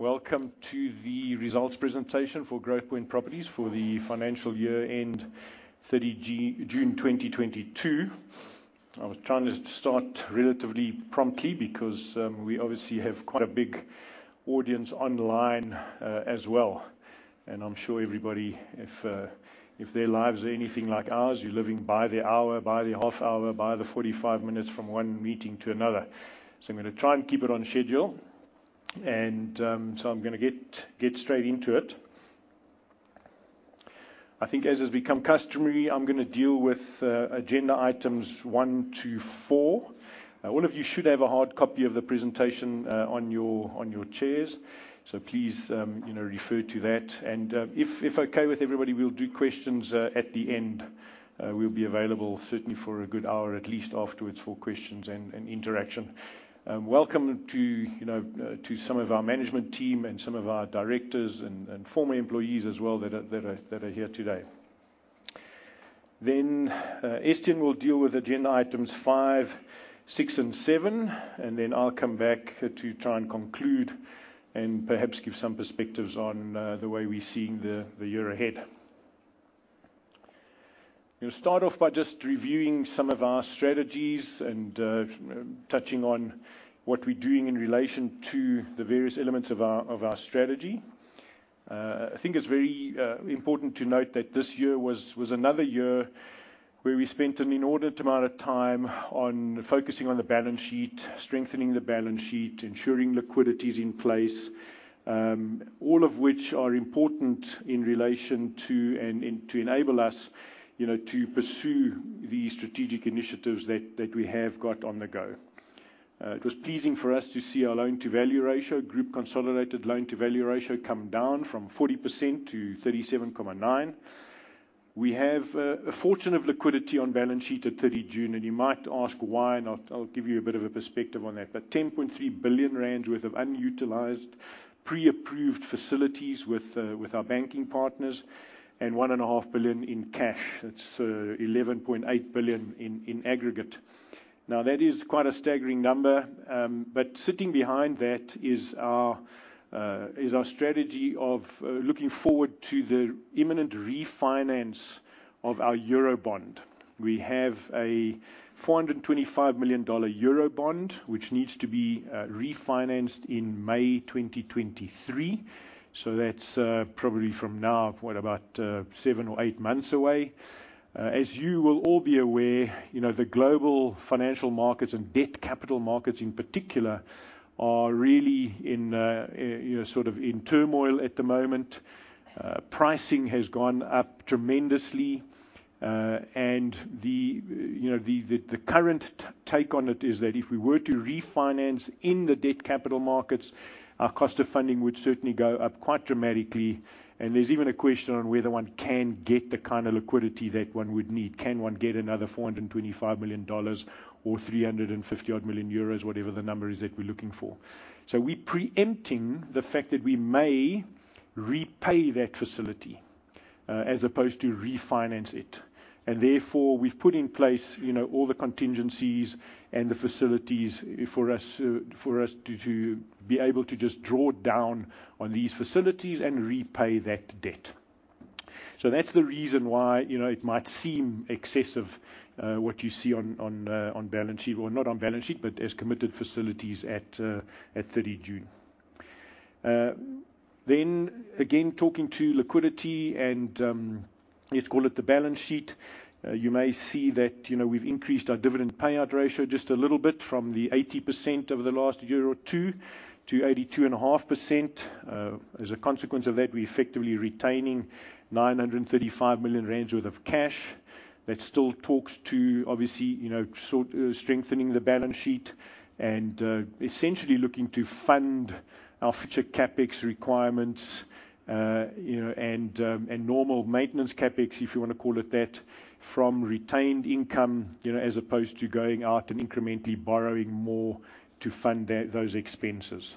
Welcome to the results presentation for Growthpoint Properties for the financial year end June 30 2022. I was trying to start relatively promptly because we obviously have quite a big audience online as well. I'm sure everybody if their lives are anything like ours, you're living by the hour, by the half hour, by the 45 minutes from one meeting to another. I'm gonna try and keep it on schedule. I'm gonna get straight into it. I think as has become customary, I'm gonna deal with agenda items one to four. All of you should have a hard copy of the presentation on your chairs. Please, you know, refer to that. If okay with everybody, we'll do questions at the end. We'll be available certainly for a good hour at least afterwards for questions and interaction. Welcome to, you know, to some of our management team and some of our directors and former employees as well that are here today. Estienne will deal with agenda items five, six, and seven, and then I'll come back to try and conclude and perhaps give some perspectives on the way we're seeing the year ahead. We'll start off by just reviewing some of our strategies and touching on what we're doing in relation to the various elements of our strategy. I think it's very important to note that this year was another year where we spent an inordinate amount of time on focusing on the balance sheet, strengthening the balance sheet, ensuring liquidity is in place. All of which are important in relation to and to enable us, you know, to pursue the strategic initiatives that we have got on the go. It was pleasing for us to see our loan to value ratio, group consolidated loan to value ratio, come down from 40% -37.9%. We have a fortune of liquidity on balance sheet at June 30, and you might ask why, and I'll give you a bit of a perspective on that. 10.3 billion rand worth of unutilized pre-approved facilities with our banking partners and 1.5 billion in cash. That's 11.8 billion in aggregate. Now, that is quite a staggering number, but sitting behind that is our strategy of looking forward to the imminent refinance of our Eurobond. We have a $425 million Eurobond, which needs to be refinanced in May 2023. That's probably from now seven or eight months away. As you will all be aware, you know, the global financial markets and debt capital markets in particular are really sort of in turmoil at the moment. Pricing has gone up tremendously, and you know, the current take on it is that if we were to refinance in the debt capital markets, our cost of funding would certainly go up quite dramatically. There's even a question on whether one can get the kind of liquidity that one would need. Can one get another $425 million or 350 odd million, whatever the number is that we're looking for. We're preempting the fact that we may repay that facility, as opposed to refinance it. Therefore, we've put in place, you know, all the contingencies and the facilities for us to be able to just draw down on these facilities and repay that debt. That's the reason why, you know, it might seem excessive, what you see on balance sheet or not on balance sheet, but as committed facilities at June 30. Then again, talking to liquidity and, let's call it the balance sheet, you may see that, you know, we've increased our dividend payout ratio just a little bit from the 80% over the last year or two to 82.5%. As a consequence of that, we're effectively retaining 935 million rand worth of cash. That still talks to, obviously, you know, sort of strengthening the balance sheet and essentially looking to fund our future CapEx requirements, you know, and normal maintenance CapEx, if you wanna call it that, from retained income, you know, as opposed to going out and incrementally borrowing more to fund those expenses.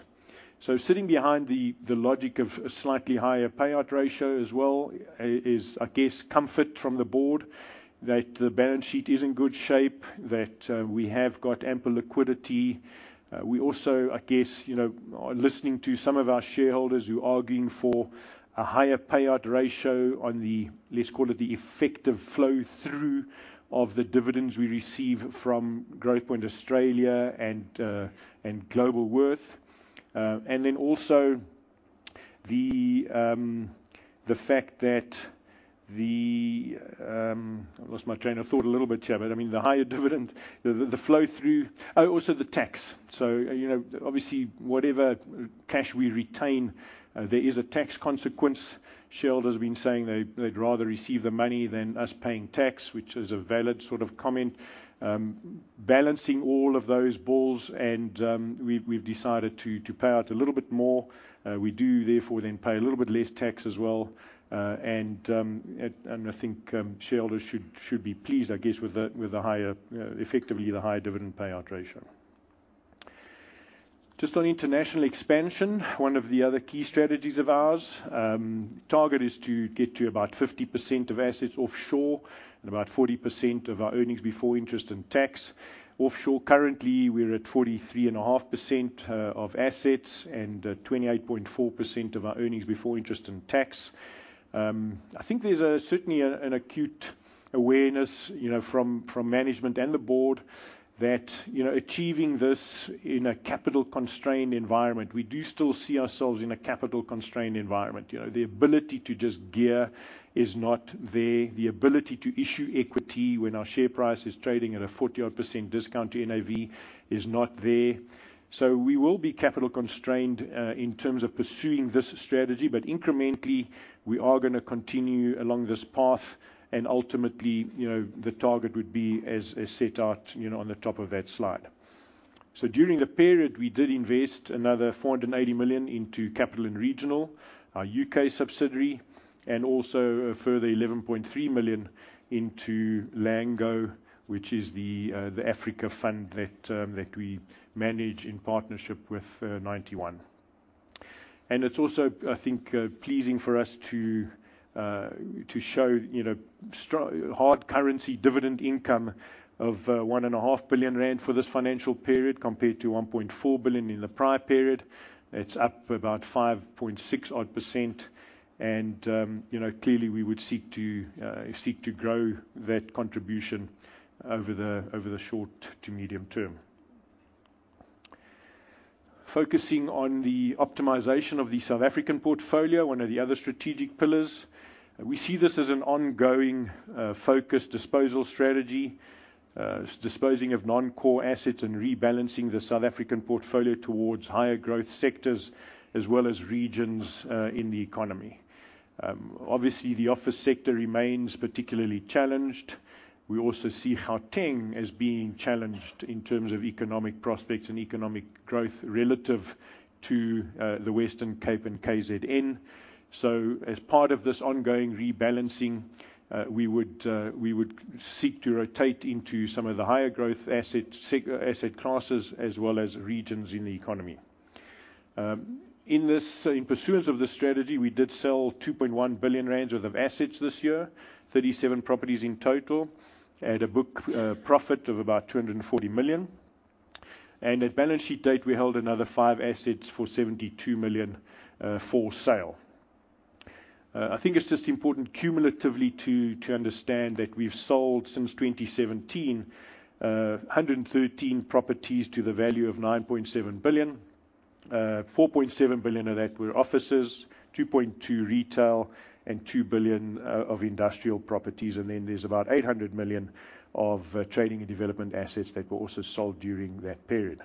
Sitting behind the logic of a slightly higher payout ratio as well is, I guess, comfort from the board that the balance sheet is in good shape, that we have got ample liquidity. We also, I guess, you know, are listening to some of our shareholders who are arguing for a higher payout ratio on the, let's call it the effective flow through of the dividends we receive from Growthpoint Australia and Globalworth. Then also the fact that the. I lost my train of thought a little bit here, but I mean, the higher dividend, the flow through. Oh, also the tax. You know, obviously whatever cash we retain, there is a tax consequence. Shareholders been saying they'd rather receive the money than us paying tax, which is a valid sort of comment. Balancing all of those balls and, we've decided to pay out a little bit more. We do therefore then pay a little bit less tax as well. I think shareholders should be pleased, I guess, with the higher, effectively the higher dividend payout ratio. Just on international expansion, one of the other key strategies of ours, target is to get to about 50% of assets offshore and about 40% of our earnings before interest and tax offshore. Currently, we're at 43.5% of assets and 28.4% of our earnings before interest and tax. I think there's certainly an acute awareness, you know, from management and the board that, you know, achieving this in a capital-constrained environment, we do still see ourselves in a capital-constrained environment. You know, the ability to just gear is not there. The ability to issue equity when our share price is trading at a %40-odd discount to NAV is not there. We will be capital constrained, in terms of pursuing this strategy, but incrementally, we are gonna continue along this path and ultimately, you know, the target would be as set out, you know, on the top of that slide. During the period, we did invest another 480 million into Capital & Regional, our U.K. subsidiary, and also a further 11.3 million into Lango, which is the Africa fund that we manage in partnership with Ninety One. It's also, I think, pleasing for us to show, you know, hard currency dividend income of 1.5 billion rand for this financial period compared to 1.4 billion in the prior period. It's up about 5.6%-odd and, you know, clearly we would seek to grow that contribution over the short to medium term. Focusing on the optimization of the South African portfolio, one of the other strategic pillars. We see this as an ongoing focus disposal strategy. Disposing of non-core assets and rebalancing the South African portfolio towards higher growth sectors as well as regions in the economy. Obviously the office sector remains particularly challenged. We also see Gauteng as being challenged in terms of economic prospects and economic growth relative to the Western Cape and KZN. As part of this ongoing rebalancing, we would seek to rotate into some of the higher growth asset classes as well as regions in the economy. In pursuance of this strategy, we did sell 2.1 billion rand worth of assets this year, 37 properties in total, at a book profit of about 240 million. At balance sheet date, we held another five assets for 72 million for sale. I think it's just important cumulatively to understand that we've sold since 2017, 113 properties to the value of 9.7 billion. 4.7 billion of that were offices, 2.2 billion retail, and 2 billion of industrial properties. There's about 800 million of trading and development assets that were also sold during that period.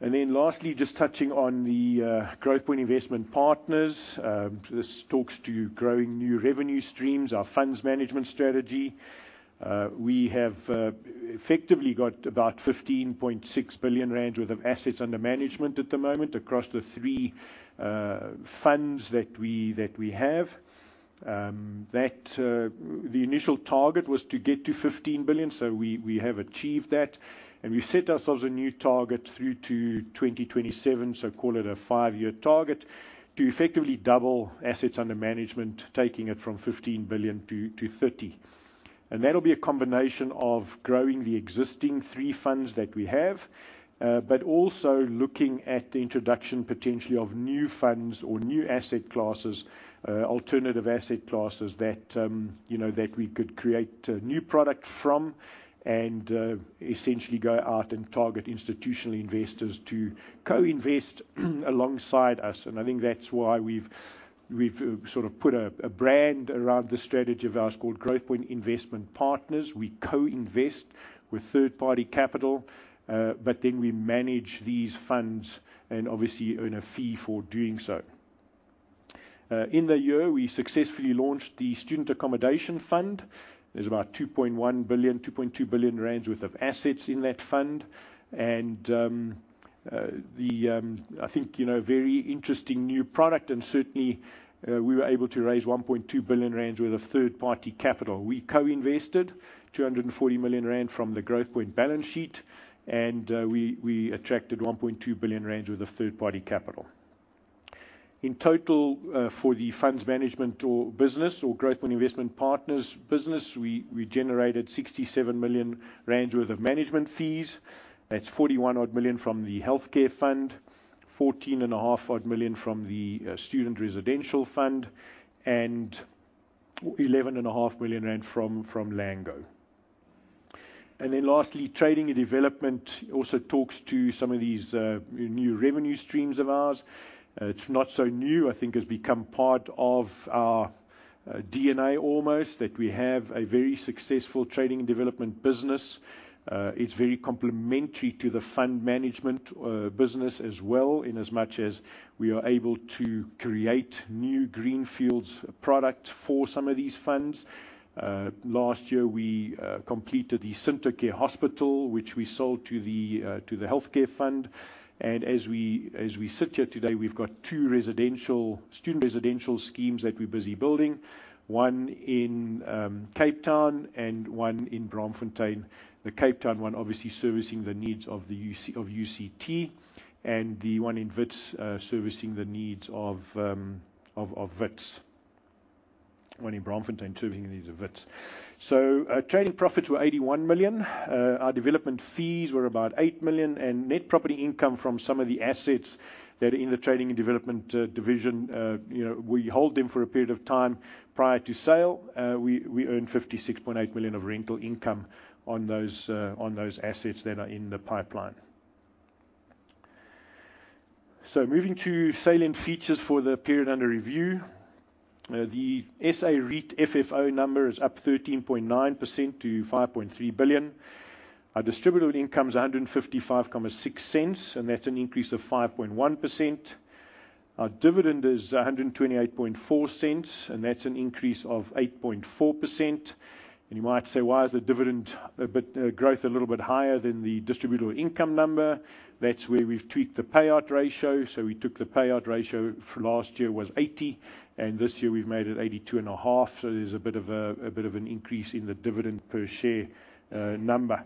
Lastly, just touching on the Growthpoint Investment Partners. This talks to growing new revenue streams, our funds management strategy. We have effectively got about 15.6 billion rand worth of assets under management at the moment across the three funds that we have. The initial target was to get to 15 billion, so we have achieved that, and we've set ourselves a new target through to 2027, so call it a five-year target, to effectively double assets under management, taking it from 15 billion to 30 billion. That'll be a combination of growing the existing three funds that we have, but also looking at the introduction potentially of new funds or new asset classes, alternative asset classes that, you know, that we could create, new product from and, essentially go out and target institutional investors to co-invest alongside us. I think that's why we've sort of put a brand around the strategy of ours called Growthpoint Investment Partners. We co-invest with third-party capital, but then we manage these funds and obviously earn a fee for doing so. In the year, we successfully launched the Student Accommodation Fund. There's about 2.1 billion-2.2 billion rand worth of assets in that fund. I think, you know, very interesting new product and certainly, we were able to raise 1.2 billion rand worth of third-party capital. We co-invested 240 million rand from the Growthpoint balance sheet, and we attracted 1.2 billion rand worth of third-party capital. In total, for the funds management or business or Growthpoint Investment Partners business, we generated 67 million rand worth of management fees. That's 41 odd million from the healthcare fund, 14.5 odd million from the student residential fund, and 11.5 million rand from Lango. Lastly, trading and development also talks to some of these new revenue streams of ours. It's not so new. I think it's become part of our DNA almost, that we have a very successful trading and development business. It's very complementary to the fund management business as well, in as much as we are able to create new greenfields product for some of these funds. Last year we completed the Cintocare Hospital, which we sold to the healthcare fund. As we sit here today, we've got two residential, student residential schemes that we're busy building, one in Cape Town and one in Bloemfontein. The Cape Town one obviously servicing the needs of UCT, and the one in Wits servicing the needs of Wits. One in Braamfontein, two in the heart of Wits. Trading profits were 81 million. Our development fees were about 8 million. Net property income from some of the assets that are in the trading and development division, you know, we hold them for a period of time prior to sale. We earned 56.8 million of rental income on those assets that are in the pipeline. Moving to salient features for the period under review. The SA REIT FFO number is up 13.9% to 5.3 billion. Our distributable income is 1.556, and that's an increase of 5.1%. Our dividend is 1.284, and that's an increase of 8.4%. You might say, "Why is the dividend a bit, growth a little bit higher than the distributable income number?" That's where we've tweaked the payout ratio. We took the payout ratio for last year was 80%, and this year we've made it 82.5%. There's a bit of an increase in the dividend per share number.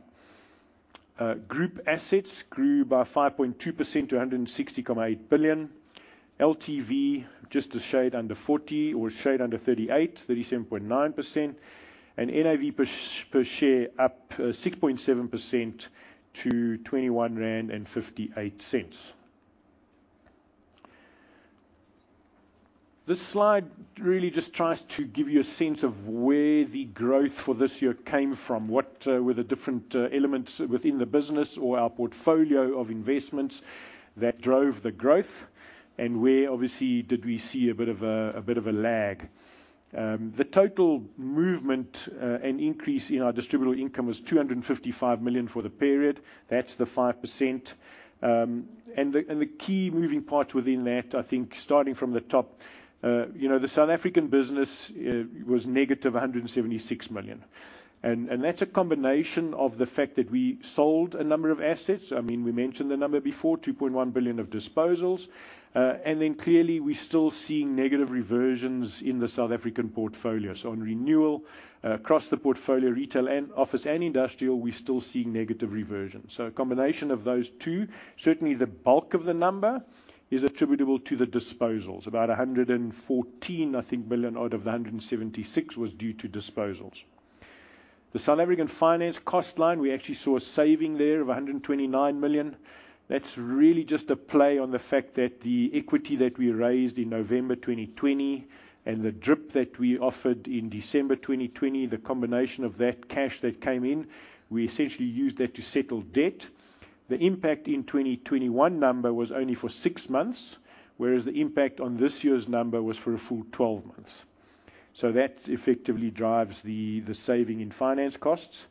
Group assets grew by 5.2% to 160.8 billion. LTV, just a shade under 40% or a shade under 38%, 37.9%. NAV per share up 6.7% to ZAR 21.58. This slide really just tries to give you a sense of where the growth for this year came from. What were the different elements within the business or our portfolio of investments that drove the growth, and where obviously did we see a bit of a lag? The total movement and increase in our distributable income was 255 million for the period. That's the 5%. The key moving parts within that, I think, starting from the top, you know, the South African business was negative 176 million. That's a combination of the fact that we sold a number of assets. I mean, we mentioned the number before, 2.1 billion of disposals. Then clearly, we're still seeing negative reversions in the South African portfolio. On renewal across the portfolio, retail and office and industrial, we're still seeing negative reversion. A combination of those two. Certainly, the bulk of the number is attributable to the disposals. About 114 million, I think, out of the 176 million was due to disposals. The South African finance cost line, we actually saw a saving there of 129 million. That's really just a play on the fact that the equity that we raised in November 2020 and the drip that we offered in December 2020, the combination of that cash that came in, we essentially used that to settle debt. The impact in 2021 number was only for six months, whereas the impact on this year's number was for a full 12 months. That effectively drives the saving in finance costs.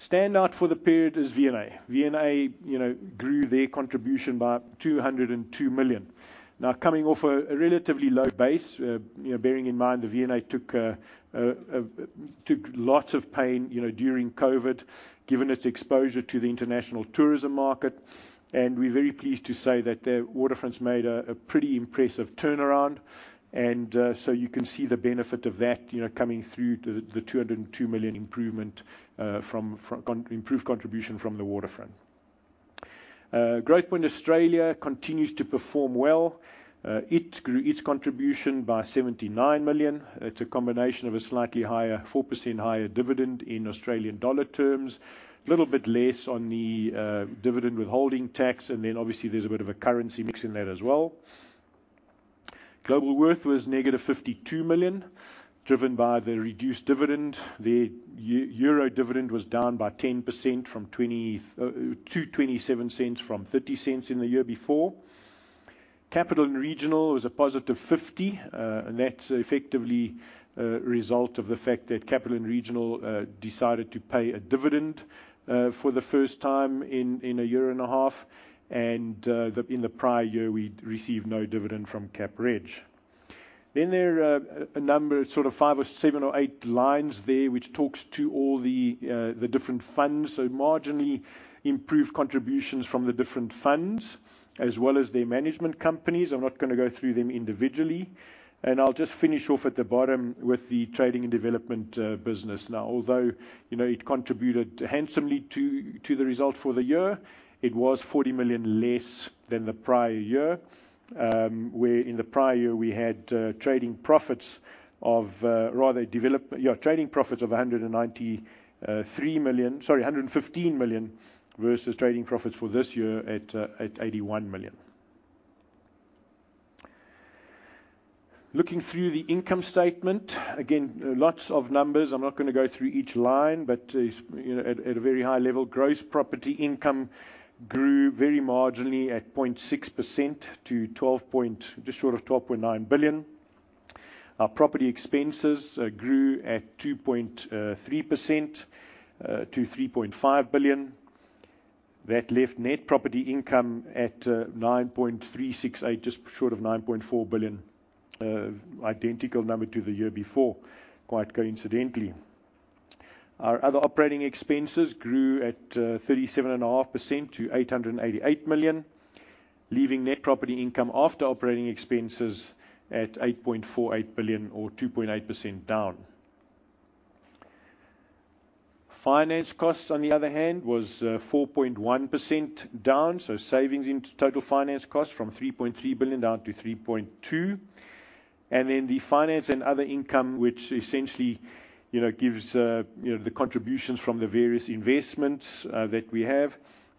Standout for the period is V&A. V&A, you know, grew their contribution by 202 million. Now coming off a relatively low base, you know, bearing in mind the V&A took lots of pain, you know, during COVID, given its exposure to the international tourism market. We're very pleased to say that Waterfront's made a pretty impressive turnaround. You can see the benefit of that, you know, coming through to the 202 million improvement from improved contribution from the Waterfront. Growthpoint Australia continues to perform well. It grew its contribution by 79 million. It's a combination of a slightly higher, 4% higher dividend in Australian dollar terms. Little bit less on the dividend withholding tax, and then obviously there's a bit of a currency mix in that as well. Globalworth was -52 million, driven by the reduced dividend. The Euro dividend was down by 10% to 0.27 from 0.30 in the year before. Capital & Regional was a positive 50. That's effectively a result of the fact that Capital & Regional decided to pay a dividend for the first time in a year and a half. In the prior year, we received no dividend from Cap Reg. There are a number, sort of five or seven or eight lines there which talks to all the different funds. Marginally improved contributions from the different funds as well as their management companies. I'm not gonna go through them individually. I'll just finish off at the bottom with the trading and development business. Now, although, you know, it contributed handsomely to the result for the year, it was 40 million less than the prior year. Where in the prior year, we had trading profits of rather develop. Yeah, trading profits of 193 million. Sorry, 115 million versus trading profits for this year at 81 million. Looking through the income statement, again, lots of numbers. I'm not gonna go through each line, but, you know, at a very high level, gross property income grew very marginally at 0.6% to 12, just short of 12.9 billion. Our property expenses grew at 2.3%, to 3.5 billion. That left net property income at 9.368, just short of 9.4 billion. Identical number to the year before, quite coincidentally. Our other operating expenses grew at 37.5% to 888 million, leaving net property income after operating expenses at 8.48 billion or 2.8% down. Finance costs, on the other hand, was 4.1% down, so savings in total finance costs from 3.3 billion down to 3.2 billion. Then the finance and other income, which essentially, you know, gives, you know, the contributions from the various investments that we have.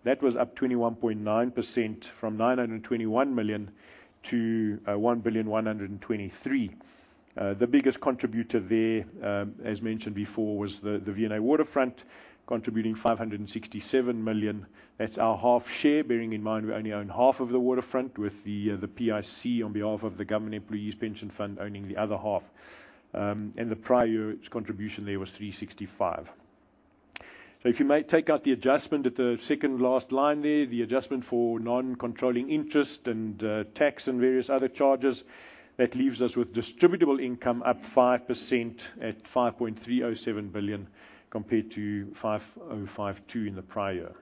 That was up 21.9% from 921 million to 1.123 billion. The biggest contributor there, as mentioned before, was the V&A Waterfront contributing 567 million. That's our half share, bearing in mind we only own half of the waterfront with the PIC on behalf of the Government Employees Pension Fund owning the other half. The prior year's contribution there was 365 million. If you may take out the adjustment at the second last line there, the adjustment for non-controlling interest and tax and various other charges, that leaves us with distributable income up 5% at 5.307 billion compared to 5.052 billion in the prior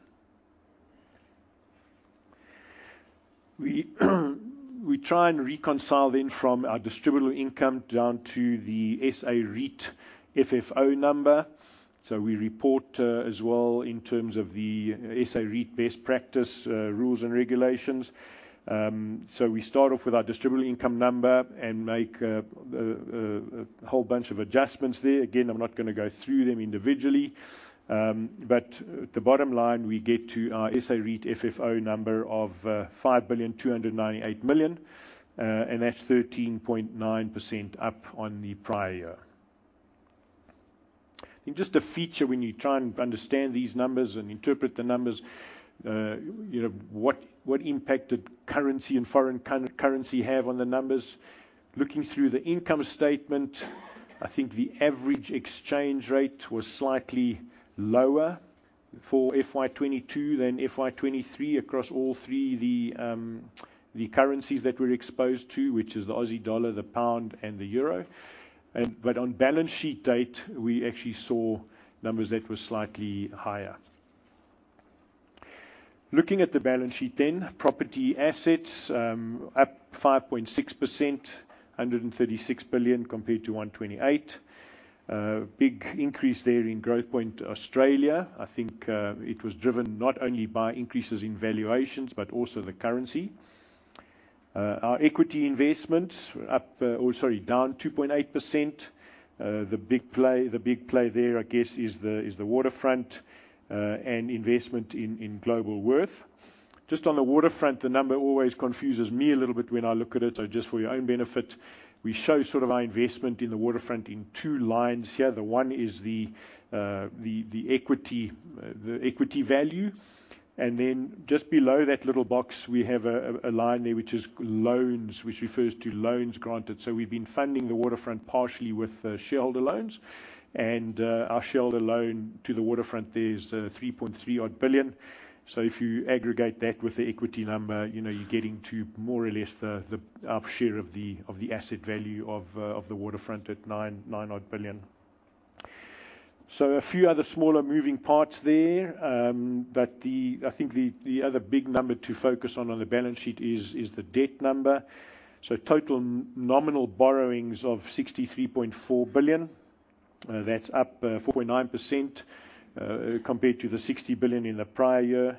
year. We try and reconcile then from our distributable income down to the SA REIT FFO number. We report as well in terms of the SA REIT best practice rules and regulations. We start off with our distributable income number and make a whole bunch of adjustments there. I'm not gonna go through them individually, but the bottom line, we get to our SA REIT FFO number of 5.298 billion, and that's 13.9% up on the prior year. Just a feature when you try and understand these numbers and interpret the numbers, you know, what impact did currency and foreign currency have on the numbers? Looking through the income statement, I think the average exchange rate was slightly lower for FY 2022 than FY 2023 across all three the currencies that we're exposed to, which is the Aussie dollar, the pound, and the euro. But on balance sheet date, we actually saw numbers that were slightly higher. Looking at the balance sheet then, property assets up 5.6%, 136 billion compared to 128 billion. Big increase there in Growthpoint Properties Australia. I think it was driven not only by increases in valuations, but also the currency. Our equity investment down 2.8%. The big play there, I guess, is the Waterfront and investment in Globalworth. Just on the Waterfront, the number always confuses me a little bit when I look at it. Just for your own benefit, we show sort of our investment in the Waterfront in two lines here. The one is the equity value. Then just below that little box, we have a line there which is loans, which refers to loans granted. We've been funding the Waterfront partially with shareholder loans. Our shareholder loan to the waterfront there is 3.3 odd billion. If you aggregate that with the equity number, you know, you're getting to more or less our share of the asset value of the waterfront at 9 odd billion. A few other smaller moving parts there, but I think the other big number to focus on on the balance sheet is the debt number. Total nominal borrowings of 63.4 billion. That's up 4.9%, compared to the 60 billion in the prior year.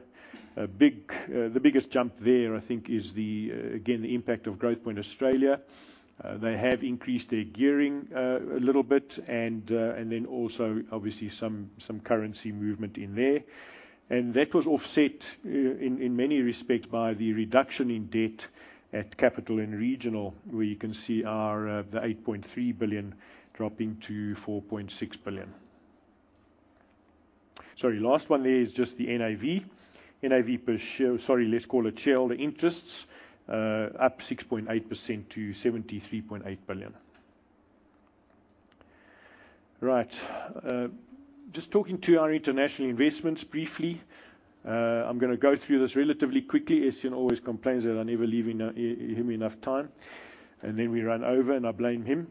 The biggest jump there, I think, is again, the impact of Growthpoint Australia. They have increased their gearing a little bit and then also obviously some currency movement in there. That was offset in many respects by the reduction in debt at Capital & Regional, where you can see the 8.3 billion dropping to 4.6 billion. Sorry, last one there is just the NAV. NAV per share, sorry, let's call it shareholder interests up 6.8% to ZAR 73.8 billion. Right. Just talking about our international investments briefly. I'm gonna go through this relatively quickly. Estienne always complains that I never leave him enough time, and then we run over, and I blame him.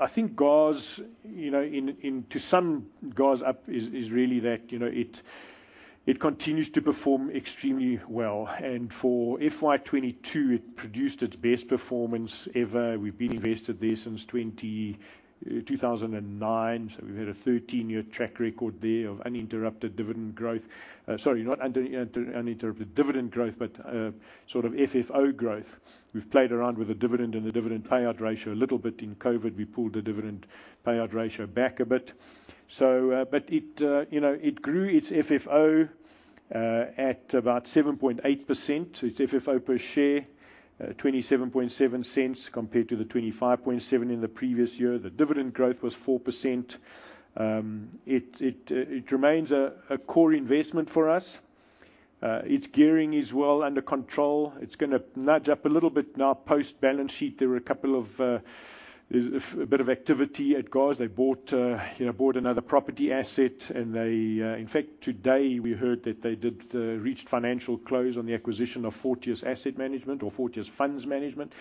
I think GA's, you know, to sum GA up is really that, you know, it continues to perform extremely well. For FY 2022, it produced its best performance ever. We've been invested there since 2009. We've had a 13-year track record there of uninterrupted dividend growth. Sorry, not uninterrupted dividend growth, but sort of FFO growth. We've played around with the dividend and the dividend payout ratio. A little bit in COVID we pulled the dividend payout ratio back a bit. You know, it grew its FFO at about 7.8%. Its FFO per share 0.277 compared to the 0.257 in the previous year. The dividend growth was 4%. It remains a core investment for us. Its gearing is well under control. It's gonna nudge up a little bit now post-balance sheet. There's a bit of activity at GA. They bought another property asset. In fact, today we heard that they reached financial close on the acquisition of Fortius Funds Management.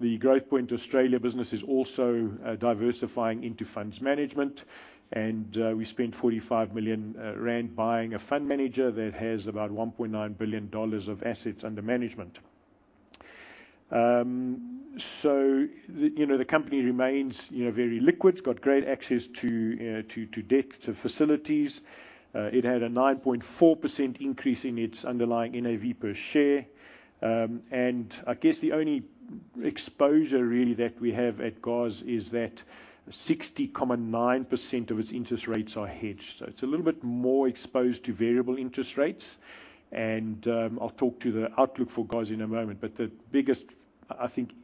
The Growthpoint Australia business is also diversifying into funds management. We spent 45 million rand buying a fund manager that has about $1.9 billion of assets under management. The company remains very liquid. It's got great access to debt facilities. It had a 9.4% increase in its underlying NAV per share. I guess the only exposure really that we have at GOZ is that 69% of its interest rates are hedged. It's a little bit more exposed to variable interest rates and I'll talk to the outlook for GOZ in a moment. The biggest, I think, impact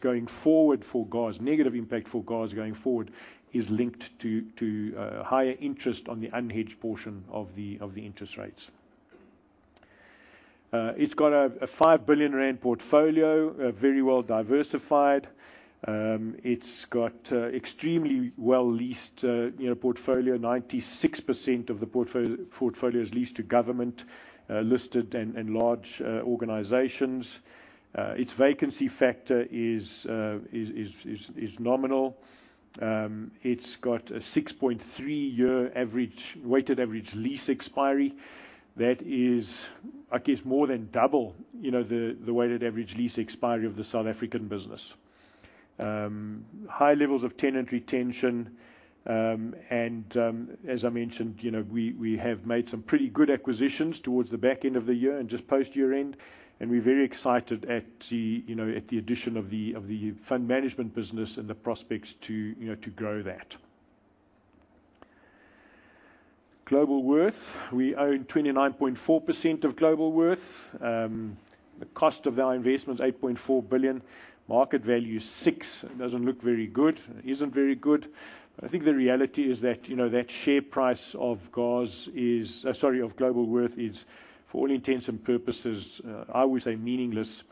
going forward for GOZ, negative impact for GOZ going forward, is linked to higher interest on the unhedged portion of the interest rates. It's got a 5 billion rand portfolio, very well diversified. It's got extremely well leased, you know, portfolio. 96% of the portfolio is leased to government, listed and large organizations. Its vacancy factor is nominal. It's got a 6.3-year average weighted average lease expiry. That is, I guess, more than double, you know, the weighted average lease expiry of the South African business. High levels of tenant retention. As I mentioned, you know, we have made some pretty good acquisitions towards the back end of the year and just post year-end, and we're very excited at the addition of the fund management business and the prospects to grow that. Globalworth. We own 29.4% of Globalworth. The cost of our investment's 8.4 billion. Market value is 6 billion. It doesn't look very good. It isn't very good. But I think the reality is that, you know, that share price of Globalworth is, for all intents and purposes, I would say meaningless.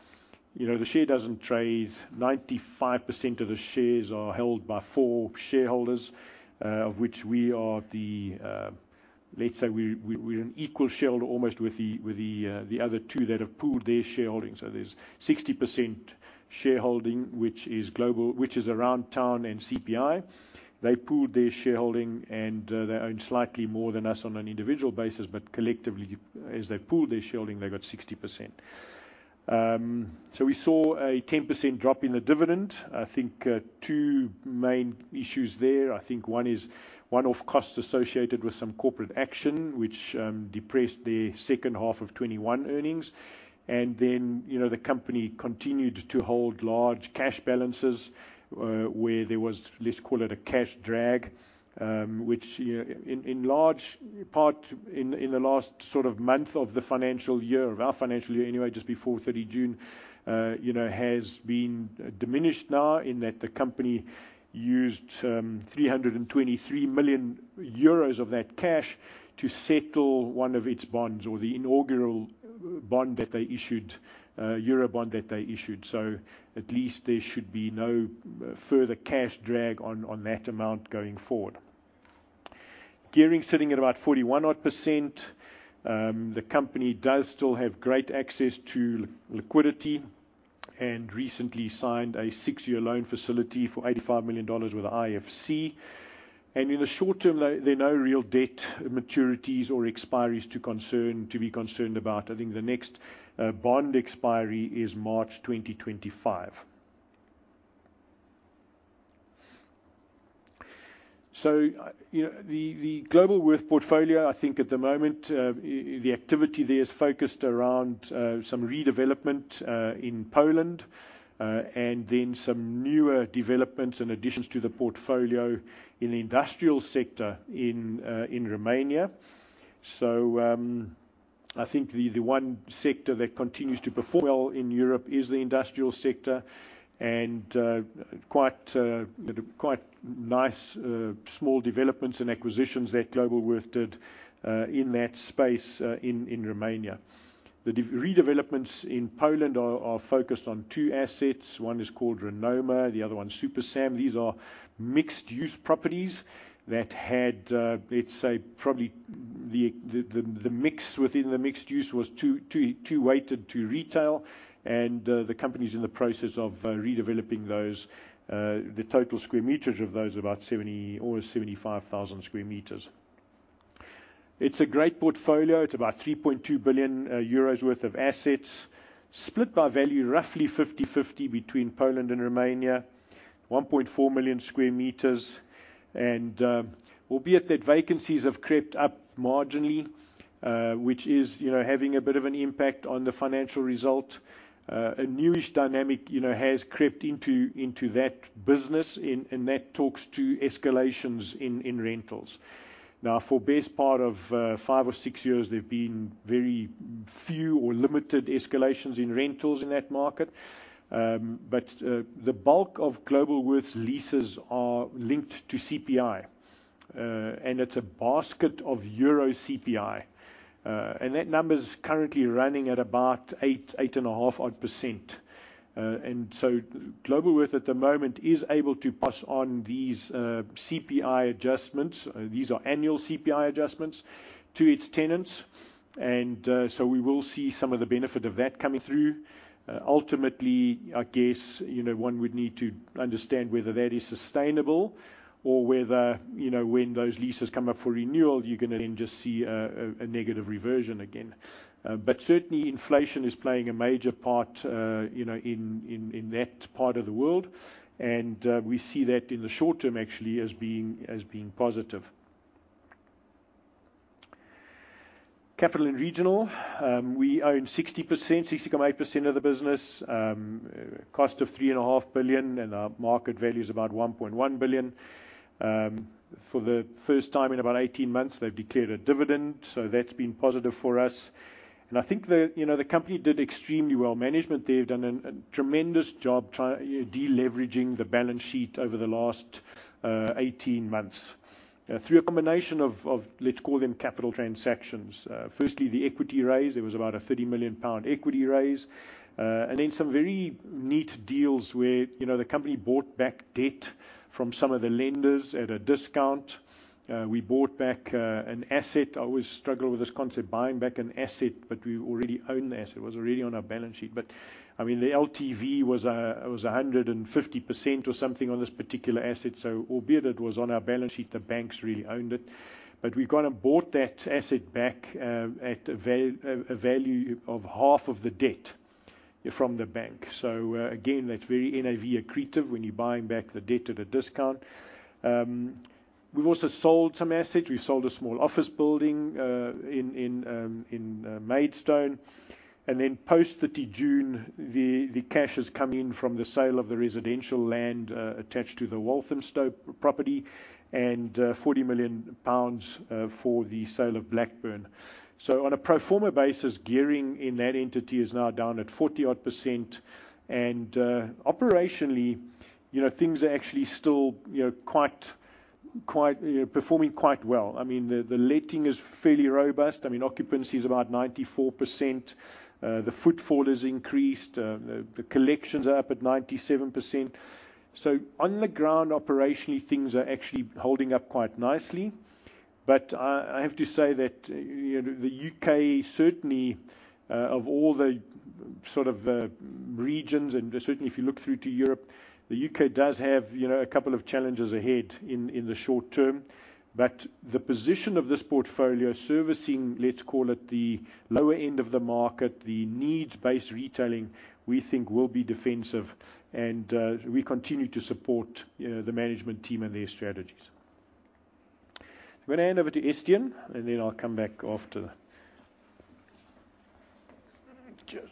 You know, the share doesn't trade. 95% of the shares are held by four shareholders, of which we are the, let's say we're an equal shareholder almost with the other two that have pooled their shareholding. There's 60% shareholding, which is Globalworth, Aroundtown and CPI. They pooled their shareholding and they own slightly more than us on an individual basis, but collectively, as they pooled their shareholding, they got 60%. We saw a 10% drop in the dividend. I think two main issues there. I think one is one-off costs associated with some corporate action which depressed the second half of 2021 earnings. The company continued to hold large cash balances, where there was, let's call it a cash drag, which in large part in the last sort of month of the financial year, of our financial year anyway, just before 30 June, you know, has been diminished now in that the company used 323 million euros of that cash to settle one of its bonds or the inaugural bond that they issued, Eurobond that they issued. At least there should be no further cash drag on that amount going forward. Gearing sitting at about 41%-odd. The company does still have great access to liquidity, and recently signed a six-year loan facility for $85 million with IFC. In the short term, there are no real debt maturities or expiries to be concerned about. I think the next bond expiry is March 2025. The Globalworth portfolio, I think at the moment, the activity there is focused around some redevelopment in Poland and then some newer developments and additions to the portfolio in the industrial sector in Romania. I think the one sector that continues to perform well in Europe is the industrial sector and quite nice small developments and acquisitions that Globalworth did in that space in Romania. The redevelopments in Poland are focused on two assets. One is called Renoma, the other one, Supersam. These are mixed-use properties that had, let's say, probably the mix within the mixed use was too weighted to retail and, the company's in the process of redeveloping those. The total square meters of those are about 70 or 75 thousand square meters. It's a great portfolio. It's about 3.2 billion euros worth of assets. Split by value, roughly 50-50 between Poland and Romania. 1.4 million square meters. Albeit that vacancies have crept up marginally, which is, you know, having a bit of an impact on the financial result. A newish dynamic, you know, has crept into that business and that talks to escalations in rentals. Now, for best part of, five or six years, there've been very few or limited escalations in rentals in that market. The bulk of Globalworth's leases are linked to CPI, and it's a basket of Euro CPI. That number's currently running at about 8%-8.5%. Globalworth at the moment is able to pass on these CPI adjustments; these are annual CPI adjustments, to its tenants. We will see some of the benefit of that coming through. Ultimately, I guess, you know, one would need to understand whether that is sustainable or whether, you know, when those leases come up for renewal, you're gonna then just see a negative reversion again. Inflation is playing a major part, you know, in that part of the world and, we see that in the short term actually as being positive. Capital & Regional. We own 60%, 60.8% of the business. Cost of 3.5 billion, and our market value is about 1.1 billion. For the first time in about 18 months, they've declared a dividend, so that's been positive for us. I think the, you know, the company did extremely well. Management, they've done a tremendous job deleveraging the balance sheet over the last 18 months, through a combination of, let's call them capital transactions. Firstly, the equity raise. There was about a 30 million pound equity raise. And then some very neat deals where, you know, the company bought back debt from some of the lenders at a discount. We bought back an asset. I always struggle with this concept, buying back an asset, but we already own the asset. It was already on our balance sheet. I mean, the LTV was 150% or something on this particular asset, so albeit it was on our balance sheet, the banks really owned it. We kind of bought that asset back at a value of half of the debt from the bank. Again, that's very NAV accretive when you're buying back the debt at a discount. We've also sold some assets. We sold a small office building in Maidstone. Then post June 30, the cash has come in from the sale of the residential land attached to the Walthamstow property, and 40 million pounds for the sale of Blackburn. On a pro forma basis, gearing in that entity is now down at %40-odd. Operationally, you know, things are actually still, you know, quite performing quite well. I mean, the letting is fairly robust. I mean, occupancy is about 94%. The footfall has increased. The collections are up at 97%. On the ground, operationally, things are actually holding up quite nicely. I have to say that, you know, the U.K. certainly, of all the sort of regions, and certainly if you look through to Europe, the U.K. does have, you know, a couple of challenges ahead in the short term. The position of this portfolio servicing, let's call it the lower end of the market, the needs-based retailing, we think will be defensive and we continue to support, you know, the management team and their strategies. I'm gonna hand over to Estienne, and then I'll come back after. Cheers.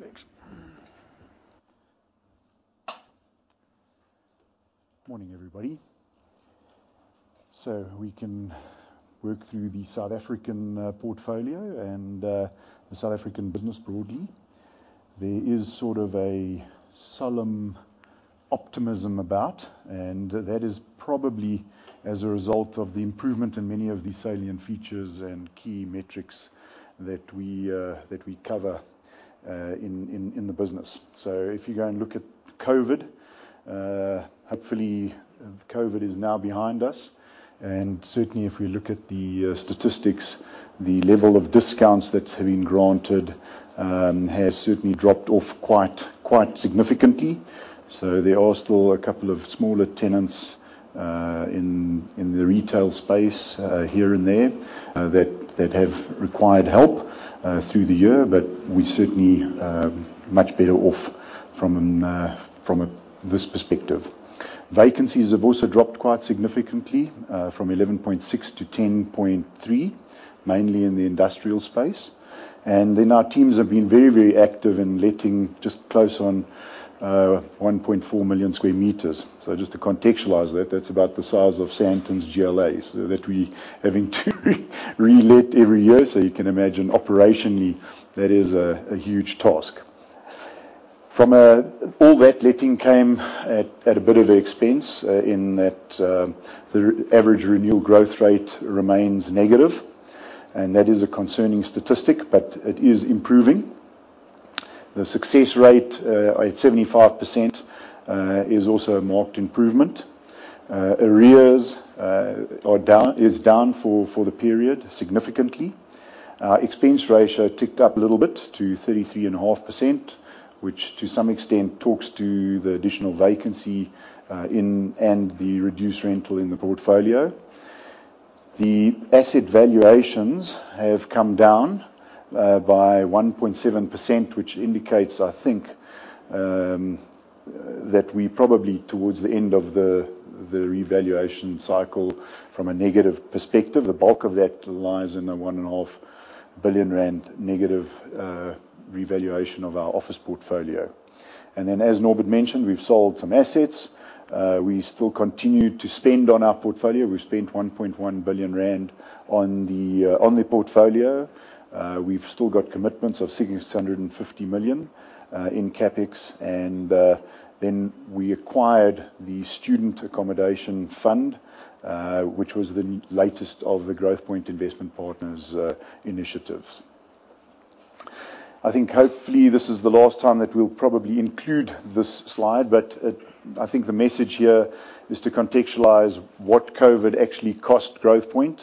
Thanks. Morning, everybody. We can work through the South African portfolio and the South African business broadly. There is sort of a solemn optimism about, and that is probably as a result of the improvement in many of the salient features and key metrics that we cover in the business. If you go and look at COVID, hopefully COVID is now behind us. Certainly, if we look at the statistics, the level of discounts that have been granted has certainly dropped off quite significantly. There are still a couple of smaller tenants in the retail space here and there that have required help through the year. We're certainly much better off from this perspective. Vacancies have also dropped quite significantly from 11.6-10.3, mainly in the industrial space. Then our teams have been very, very active in letting just close on 1.4 million square meters. Just to contextualize that's about the size of Sandton's GLAs that we're having to re-let every year. You can imagine operationally, that is a huge task. All that letting came at a bit of expense in that the average renewal growth rate remains negative, and that is a concerning statistic, but it is improving. The success rate at 75% is also a marked improvement. Arrears are down for the period significantly. Expense ratio ticked up a little bit to 33.5%, which to some extent talks to the additional vacancy and the reduced rental in the portfolio. The asset valuations have come down by 1.7%, which indicates, I think, that we're probably towards the end of the revaluation cycle from a negative perspective. The bulk of that lies in the 1.5 billion rand negative revaluation of our office portfolio. As Norbert mentioned, we've sold some assets. We still continue to spend on our portfolio. We've spent 1.1 billion rand on the portfolio. We've still got commitments of 650 million in CapEx. We acquired the student accommodation fund, which was the latest of the Growthpoint Investment Partners initiatives. I think hopefully, this is the last time that we'll probably include this slide, but I think the message here is to contextualize what COVID actually cost Growthpoint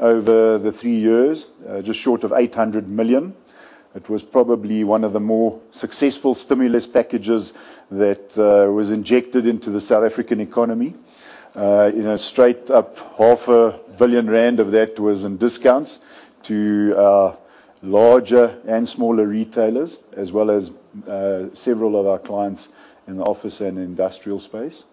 over the three years, just short of 800 million. It was probably one of the more successful stimulus packages that was injected into the South African economy. You know, straight up half a billion rand of that was in discounts to larger and smaller retailers, as well as several of our clients in the office and industrial space.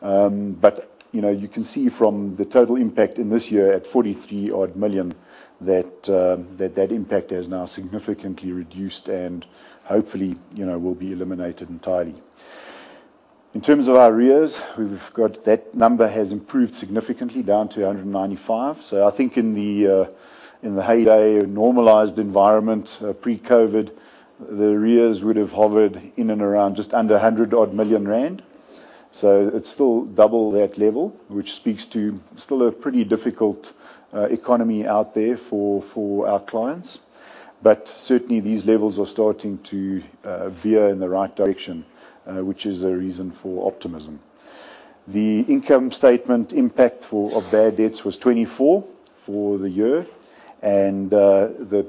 But you know, you can see from the total impact in this year at 43-odd million that that impact has now significantly reduced and hopefully, you know, will be eliminated entirely. In terms of arrears, we've got that number has improved significantly down to 195 million. I think in the heyday normalized environment, pre-COVID, the arrears would have hovered in and around just under 100-odd million rand. It's still double that level, which speaks to still a pretty difficult economy out there for our clients. Certainly, these levels are starting to veer in the right direction, which is a reason for optimism. The income statement impact of bad debts was 24 million for the year, and the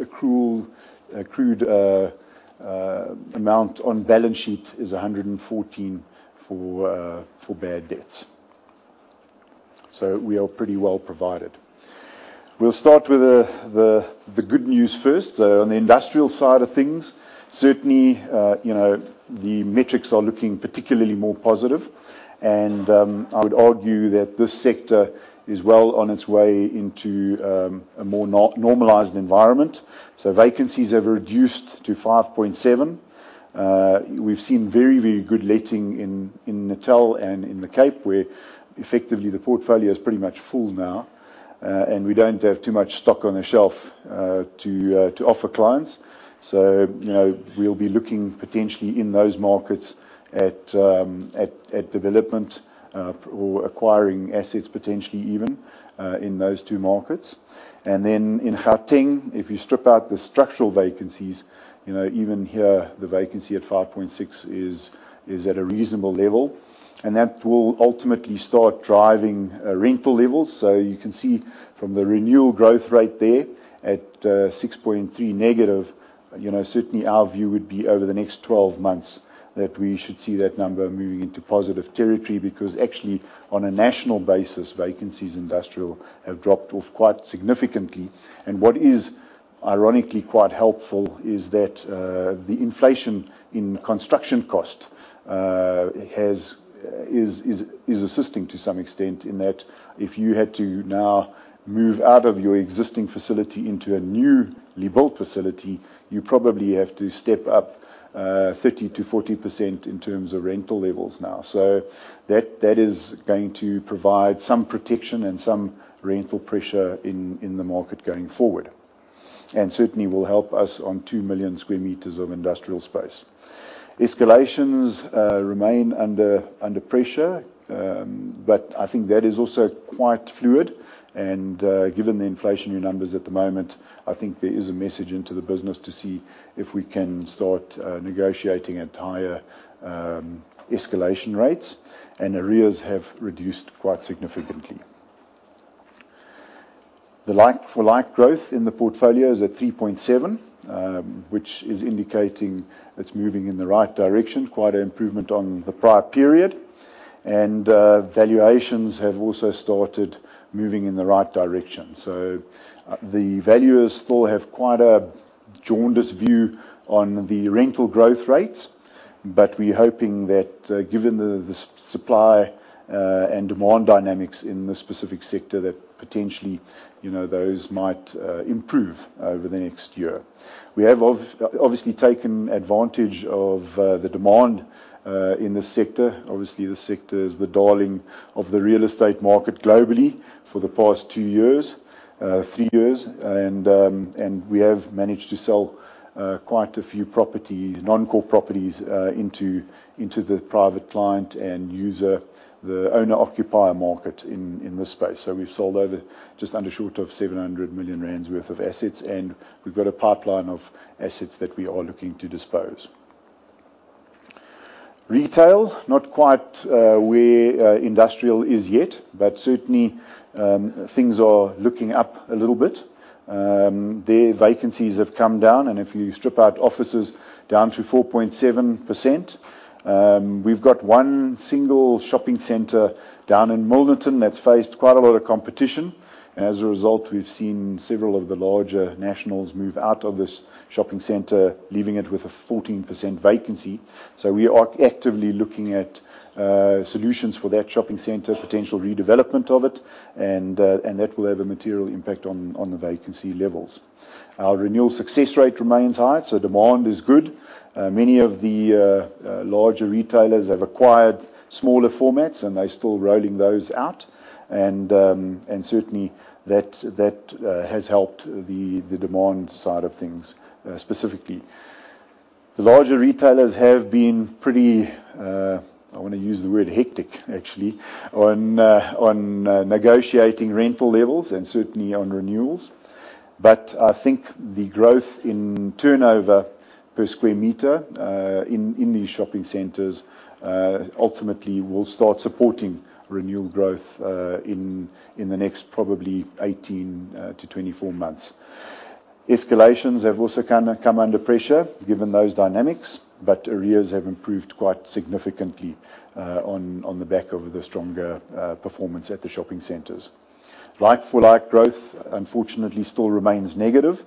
accrued amount on balance sheet is 114 million for bad debts. We are pretty well provided. We'll start with the good news first. On the industrial side of things, certainly, you know, the metrics are looking particularly more positive, and I would argue that this sector is well on its way into a more normalized environment. Vacancies have reduced to 5.7%. We've seen very, very good letting in Natal and in the Cape, where effectively the portfolio is pretty much full now, and we don't have too much stock on the shelf to offer clients. You know, we'll be looking potentially in those markets at development or acquiring assets, potentially even in those two markets. In Gauteng, if you strip out the structural vacancies, you know, even here, the vacancy at 5.6% is at a reasonable level, and that will ultimately start driving rental levels. You can see from the renewal growth rate there at -6.3%. You know, certainly our view would be over the next 12 months that we should see that number moving into positive territory, because actually, on a national basis, industrial vacancies have dropped off quite significantly. What is ironically quite helpful is that the inflation in construction cost is assisting to some extent in that if you had to now move out of your existing facility into a new rebuilt facility, you probably have to step up 30%-40% in terms of rental levels now. That is going to provide some protection and some rental pressure in the market going forward, and certainly will help us on two million square meters of industrial space. Escalations remain under pressure, but I think that is also quite fluid. Given the inflationary numbers at the moment, I think there is a message into the business to see if we can start negotiating at higher escalation rates. Arrears have reduced quite significantly. The like-for-like growth in the portfolio is at 3.7%, which is indicating it's moving in the right direction, quite an improvement on the prior period. Valuations have also started moving in the right direction. The valuers still have quite a jaundiced view on the rental growth rates, but we're hoping that, given the supply and demand dynamics in this specific sector, that potentially, you know, those might improve over the next year. We have obviously taken advantage of the demand in this sector. Obviously, the sector is the darling of the real estate market globally for the past two years, three years. We have managed to sell quite a few properties, non-core properties, into the private client and user, the owner-occupier market in this space. We've sold over just under short of 700 million rand worth of assets, and we've got a pipeline of assets that we are looking to dispose. Retail, not quite where industrial is yet, but certainly, things are looking up a little bit. Their vacancies have come down, and if you strip out offices, down to 4.7%. We've got one single shopping center down in mall out on that's faced quite a lot of competition. As a result, we've seen several of the larger nationals move out of this shopping center, leaving it with a 14% vacancy. We are actively looking at solutions for that shopping center, potential redevelopment of it, and that will have a material impact on the vacancy levels. Our renewal success rate remains high, so demand is good. Many of the larger retailers have acquired smaller formats, and they're still rolling those out. Certainly that has helped the demand side of things specifically. The larger retailers have been pretty, I wanna use the word hectic, actually, on negotiating rental levels and certainly on renewals. I think the growth in turnover per square meter in these shopping centers ultimately will start supporting rental growth in the next probably 18-24 months. Escalations have also kinda come under pressure given those dynamics, but arrears have improved quite significantly on the back of the stronger performance at the shopping centers. Like-for-like growth, unfortunately, still remains negative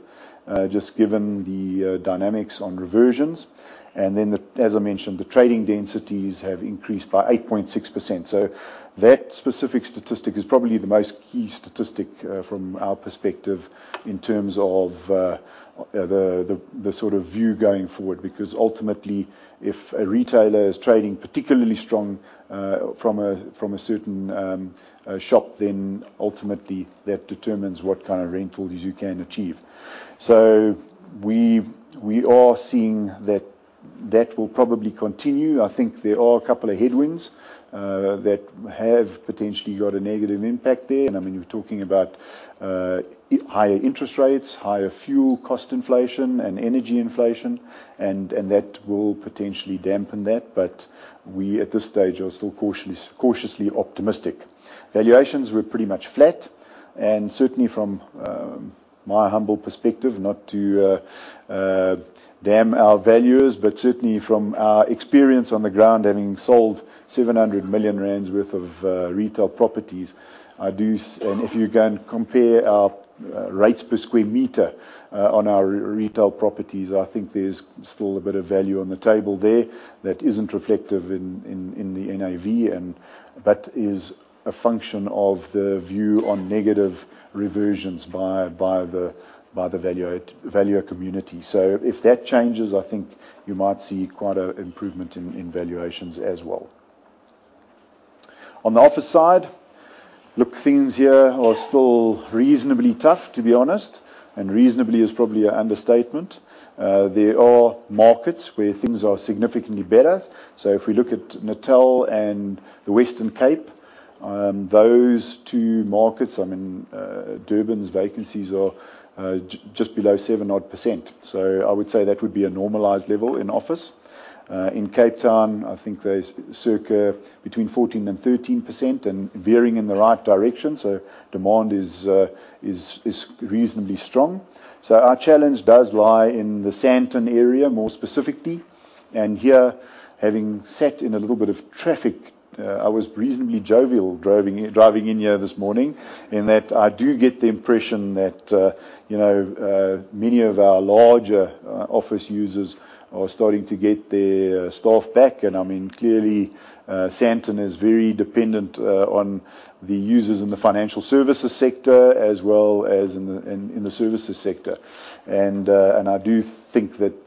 just given the dynamics on reversions. As I mentioned, the trading densities have increased by 8.6%. That specific statistic is probably the most key statistic from our perspective in terms of the sort of view going forward. Because ultimately, if a retailer is trading particularly strong from a certain shop, then ultimately, that determines what kind of rentals you can achieve. We are seeing that will probably continue. I think there are a couple of headwinds that have potentially got a negative impact there. I mean, you're talking about higher interest rates, higher fuel cost inflation and energy inflation and that will potentially dampen that. We, at this stage, are still cautiously optimistic. Valuations were pretty much flat. Certainly from my humble perspective, not to damn our valuers, but certainly from our experience on the ground, having sold 700 million rand worth of retail properties. If you can compare our rates per square meter on our retail properties, I think there's still a bit of value on the table there that isn't reflective in the NAV, and that is a function of the view on negative reversions by the valuer community. If that changes, I think you might see quite a improvement in valuations as well. On the office side, look, things here are still reasonably tough, to be honest, and reasonably is probably an understatement. There are markets where things are significantly better. If we look at Natal and the Western Cape, those two markets, I mean, Durban's vacancies are just below 7%-odd I would say that would be a normalized level in office. In Cape Town, I think there's circa between 14% and 13% and veering in the right direction. Demand is reasonably strong. Our challenge does lie in the Sandton area, more specifically. Here, having sat in a little bit of traffic, I was reasonably jovial driving in here this morning, in that I do get the impression that, you know, many of our larger office users are starting to get their staff back. I mean, clearly, Sandton is very dependent on the users in the financial services sector as well as in the services sector. I do think that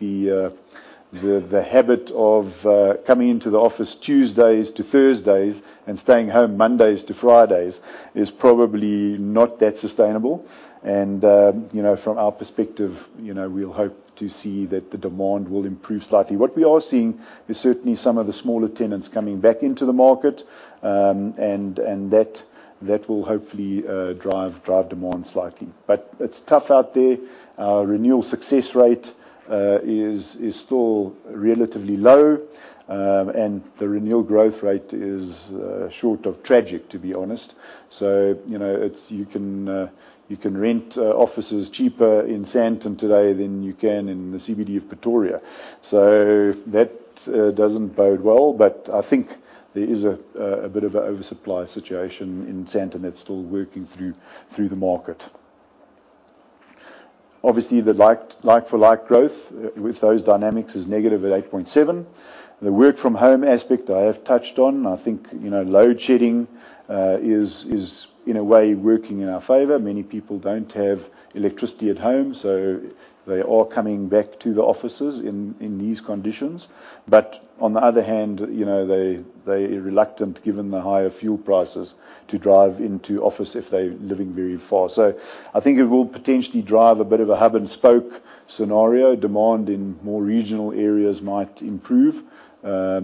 the habit of coming into the office Tuesdays to Thursdays and staying home Mondays to Fridays is probably not that sustainable. You know, from our perspective, you know, we'll hope to see that the demand will improve slightly. What we are seeing is certainly some of the smaller tenants coming back into the market, and that will hopefully drive demand slightly. It's tough out there. Our renewal success rate is still relatively low. The renewal growth rate is short of tragic, to be honest. You know, you can rent offices cheaper in Sandton today than you can in the CBD of Pretoria. That doesn't bode well, but I think there is a bit of an oversupply situation in Sandton that's still working through the market. Obviously, the like-for-like growth with those dynamics is negative at 8.7%. The work from home aspect I have touched on. I think you know, load shedding is in a way, working in our favor. Many people don't have electricity at home, so they are coming back to the offices in these conditions. But on the other hand, you know, they are reluctant, given the higher fuel prices, to drive into office if they're living very far. I think it will potentially drive a bit of a hub-and-spoke scenario. Demand in more regional areas might improve a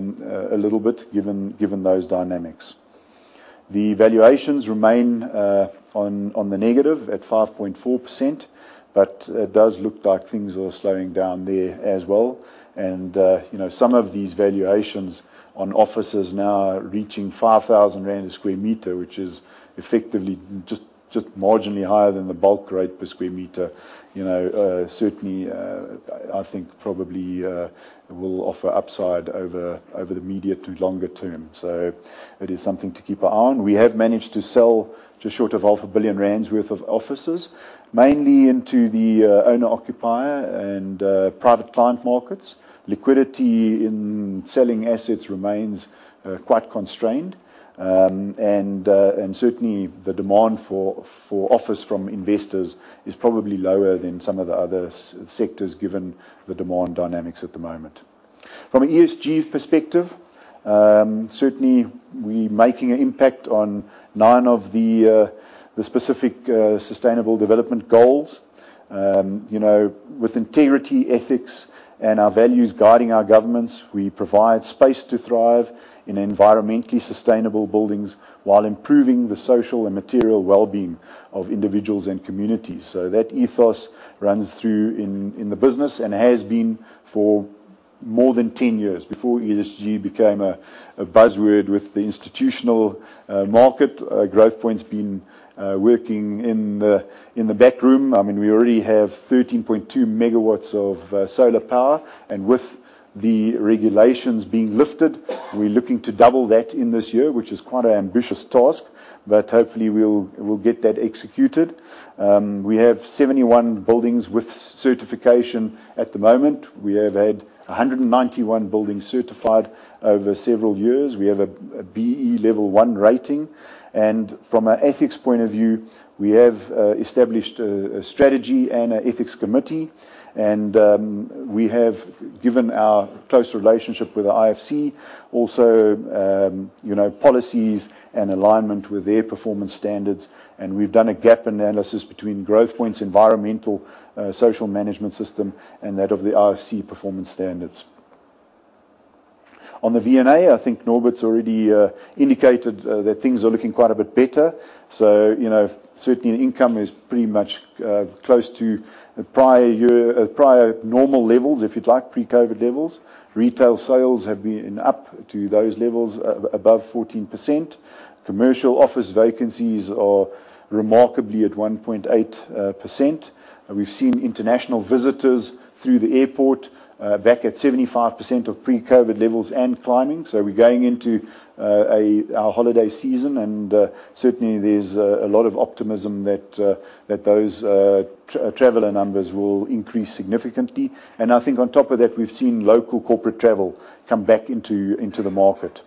little bit, given those dynamics. The valuations remain on the negative at 5.4%, but it does look like things are slowing down there as well. You know, some of these valuations on offices now reaching 5,000 rand a sq m, which is effectively just marginally higher than the bulk rate per sq m. You know, certainly, I think probably will offer upside over the medium to longer term. It is something to keep our eye on. We have managed to sell just short of half a billion rand worth of offices, mainly into the owner-occupier and private client markets. Liquidity in selling assets remains quite constrained. Certainly, the demand for office from investors is probably lower than some of the other sectors, given the demand dynamics at the moment. From an ESG perspective, certainly we making an impact on nine of the specific sustainable development goals. You know, with integrity, ethics, and our values guiding our governance, we provide space to thrive in environmentally sustainable buildings while improving the social and material well-being of individuals and communities. That ethos runs through the business and has been for more than 10 years. Before ESG became a buzzword with the institutional market, Growthpoint's been working in the back room. I mean, we already have 13.2 megawatts of solar power. With the regulations being lifted, we're looking to double that in this year, which is quite an ambitious task, but hopefully, we'll get that executed. We have 71 buildings with certification at the moment. We have had 191 buildings certified over several years. We have a B-BBEE level 1 rating. From an ethics point of view, we have established a strategy and an ethics committee. Given our close relationship with the IFC, also you know, policies and alignment with their performance standards. We've done a gap analysis between Growthpoint's environmental, social management system and that of the IFC performance standards. On the V&A, I think Norbert's already indicated that things are looking quite a bit better. You know, certainly, income is pretty much close to the prior normal levels, if you'd like, pre-COVID levels. Retail sales have been up to those levels above 14%. Commercial office vacancies are remarkably at 1.8%. We've seen international visitors through the airport back at 75% of pre-COVID levels and climbing. We're going into our holiday season, and certainly there's a lot of optimism that those traveler numbers will increase significantly. I think on top of that, we've seen local corporate travel come back into the market.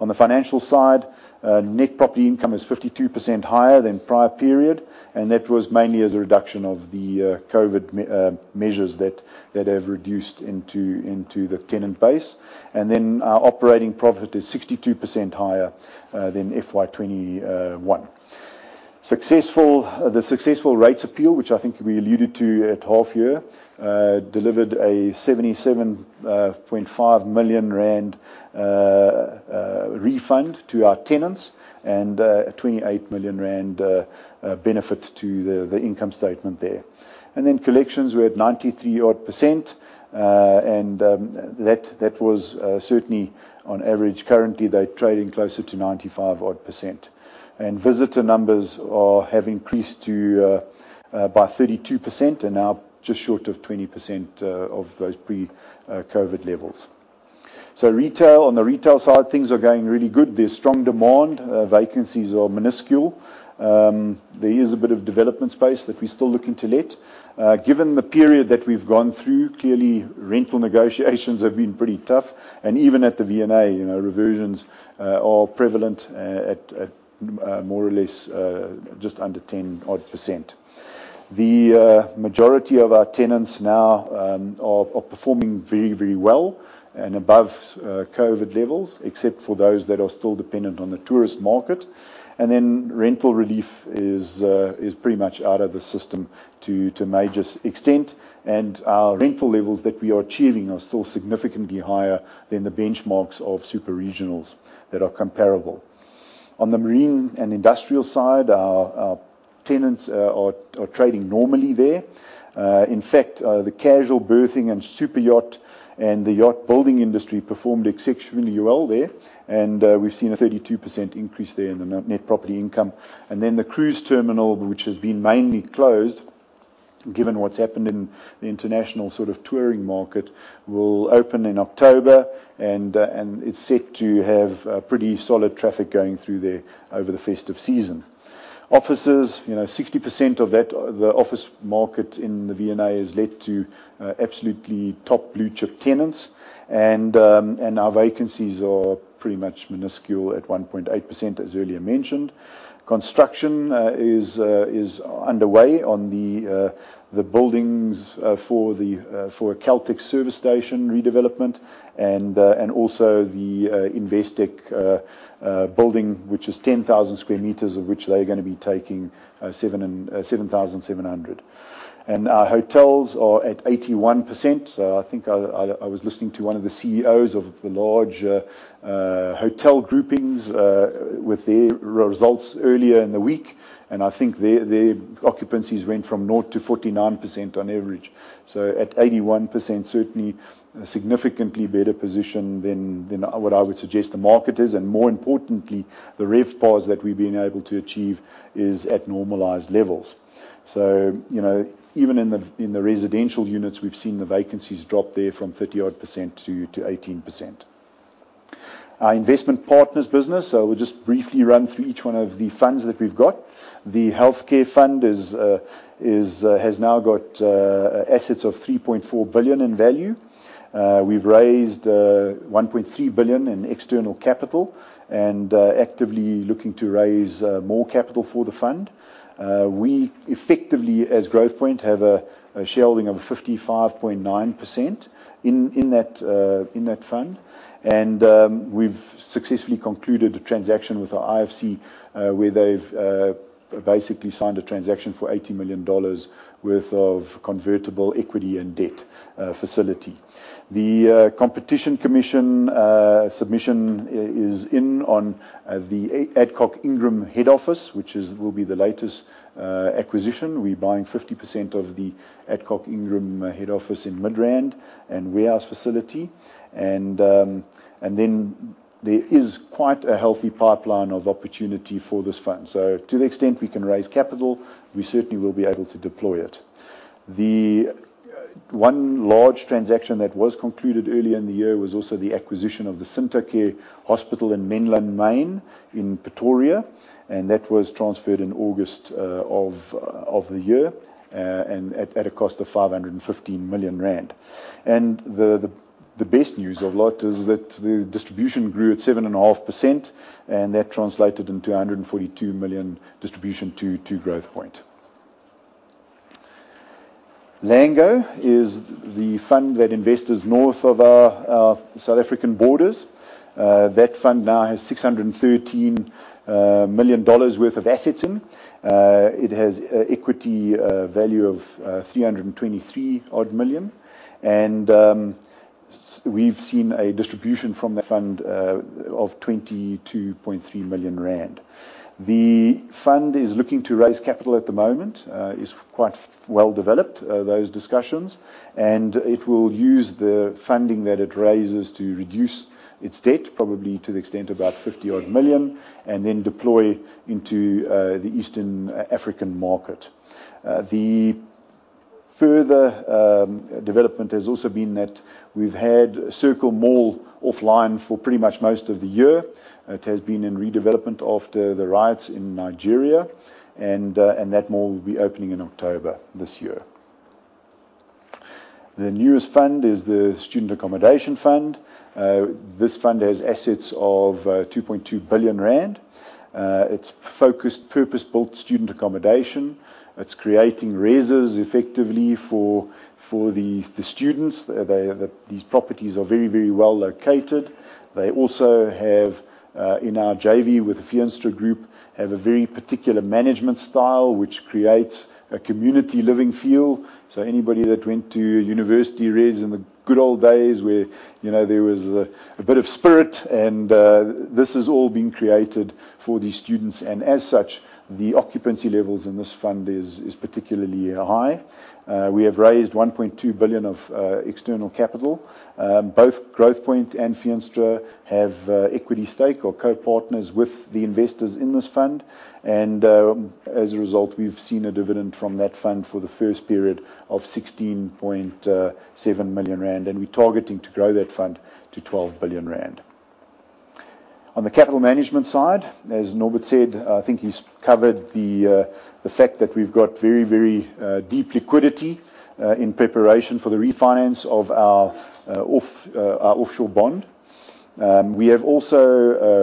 On the financial side, net property income is 52% higher than prior period, and that was mainly as a reduction of the COVID measures that have reduced into the tenant base. Our operating profit is 62% higher than FY 2021. The successful rates appeal, which I think we alluded to at half-year, delivered a 77.5 million rand refund to our tenants and a 28 million rand benefit to the income statement there. Collections were at 93%-odd and that was certainly on average. Currently, they're trading closer to 95%-odd. Visitor numbers have increased by 32% and now just short of 20% of those pre-COVID levels. Retail, on the retail side, things are going really good. There's strong demand. Vacancies are minuscule. There is a bit of development space that we're still looking to let. Given the period that we've gone through, clearly rental negotiations have been pretty tough. Even at the V&A, you know, reversions are prevalent at more or less just under %10-odd. The majority of our tenants now are performing very, very well and above COVID levels, except for those that are still dependent on the tourist market. Then, rental relief is pretty much out of the system to a major extent. Our rental levels that we are achieving are still significantly higher than the benchmarks of super regionals that are comparable. On the marine and industrial side, our tenants are trading normally there. In fact, the casual berthing and super yacht and the yacht building industry performed exceptionally well there. We've seen a 32% increase there in the net property income. The cruise terminal, which has been mainly closed, given what's happened in the international sort of touring market, will open in October, and it's set to have pretty solid traffic going through there over the festive season. Offices, you know, 60% of that, the office market in the V&A is let to absolutely top blue-chip tenants. Our vacancies are pretty much minuscule at 1.8%, as earlier mentioned. Construction is underway on the buildings for the Caltex service station redevelopment and also the Investec building, which is 10,000 square meters, of which they are gonna be taking 7,700. Our hotels are at 81%. I think I was listening to one of the CEOs of the large hotel groupings with their results earlier in the week. I think their occupancies went from 0%-49% on average. At 81%, certainly a significantly better position than what I would suggest the market is. More importantly, the RevPAR that we've been able to achieve is at normalized levels. You know, even in the residential units, we've seen the vacancies drop there from %30-odd-18%. Our Investment Partners business, we'll just briefly run through each one of the funds that we've got. The healthcare fund is has now got assets of 3.4 billion in value. We've raised 1.3 billion in external capital and actively looking to raise more capital for the fund. We effectively, as Growthpoint, have a shareholding of 55.9% in that fund. We've successfully concluded a transaction with the IFC, where they've basically signed a transaction for $80 million worth of convertible equity and debt facility. The Competition Commission submission is in on the Adcock Ingram head office, which will be the latest acquisition. We're buying 50% of the Adcock Ingram head office in Midrand and warehouse facility. There is quite a healthy pipeline of opportunity for this fund. To the extent we can raise capital, we certainly will be able to deploy it. The one large transaction that was concluded early in the year was also the acquisition of the Cintocare Hospital in Menlyn Maine in Pretoria, and that was transferred in August of the year and at a cost of 515 million rand. The best news of all is that the distribution grew at 7.5%, and that translated into a 142 million distribution to Growthpoint. Lango is the fund that invests north of our South African borders. That fund now has $613 million worth of assets in it. It has equity value of $323 odd million. We've seen a distribution from the fund of 22.3 million rand. The fund is looking to raise capital at the moment, is quite well developed, those discussions. It will use the funding that it raises to reduce its debt, probably to the extent about 50 million, and then deploy into the Eastern African market. The further development has also been that we've had Circle Mall offline for pretty much most of the year. It has been in redevelopment after the riots in Nigeria, and that mall will be opening in October this year. The newest fund is the Student Accommodation Fund. This fund has assets of 2.2 billion rand. It's focused purpose-built student accommodation. It's creating reses effectively for the students. These properties are very well located. They also have in our JV with the Feenstra Group a very particular management style, which creates a community living feel. Anybody that went to university res in the good old days where, you know, there was a bit of spirit and this has all been created for these students. As such, the occupancy levels in this fund is particularly high. We have raised 1.2 billion of external capital. Both Growthpoint and Feenstra have equity stake or co-partners with the investors in this fund. As a result, we've seen a dividend from that fund for the first period of 16.7 million rand, and we're targeting to grow that fund to 12 billion rand. On the capital management side, as Norbert said, I think he's covered the fact that we've got very deep liquidity in preparation for the refinance of our offshore bond. We have also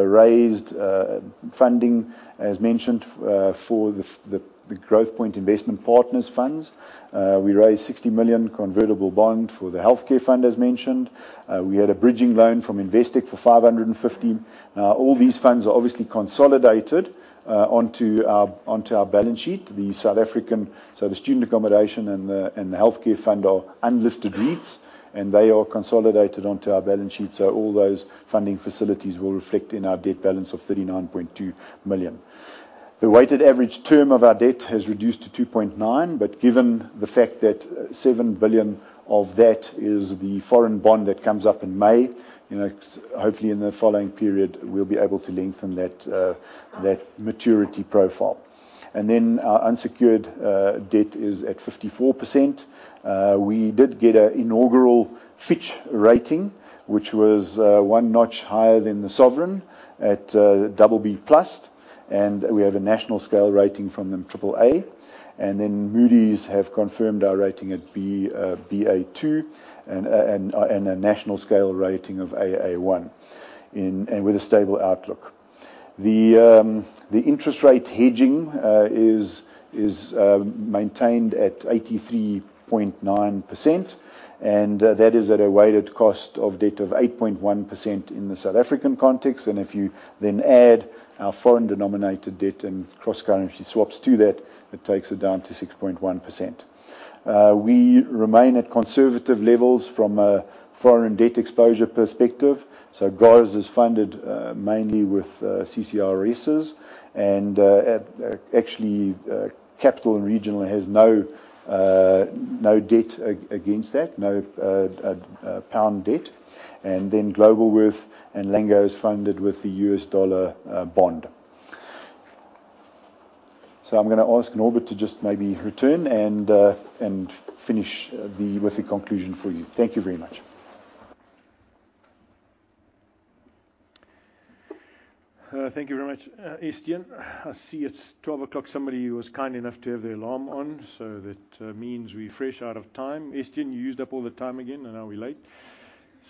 raised funding, as mentioned, for the Growthpoint Investment Partners funds. We raised 60 million convertible bond for the healthcare fund, as mentioned. We had a bridging loan from Investec for 550 million. Now, all these funds are obviously consolidated onto our balance sheet. The student accommodation and the healthcare fund are unlisted REITs, and they are consolidated onto our balance sheet, so all those funding facilities will reflect in our debt balance of 39.2 billion. The weighted average term of our debt has reduced to 2.9, but given the fact that 7 billion of that is the foreign bond that comes up in May, you know, hopefully in the following period we'll be able to lengthen that maturity profile. Our unsecured debt is at 54%. We did get an inaugural Fitch rating, which was one notch higher than the sovereign at BB+, and we have a national scale rating from them, AAA. Moody's have confirmed our rating at Ba2 and a national scale rating of Aa1, and with a stable outlook. The interest rate hedging is maintained at 83.9%, and that is at a weighted cost of debt of 8.1% in the South African context. If you then add our foreign denominated debt and cross currency swaps to that, it takes it down to 6.1%. We remain at conservative levels from a foreign debt exposure perspective, so GARS is funded mainly with CCIRS. Actually, Capital & Regional has no debt against that, no pound debt. Then Globalworth and Lango is funded with the U.S. dollar bond. I'm gonna ask Norbert to just maybe return and finish with the conclusion for you. Thank you very much. Thank you very much, Estienne. I see it's 12:00 P.M. Somebody was kind enough to have their alarm on, so that means we're fresh out of time. Estienne, you used up all the time again, and now we're late.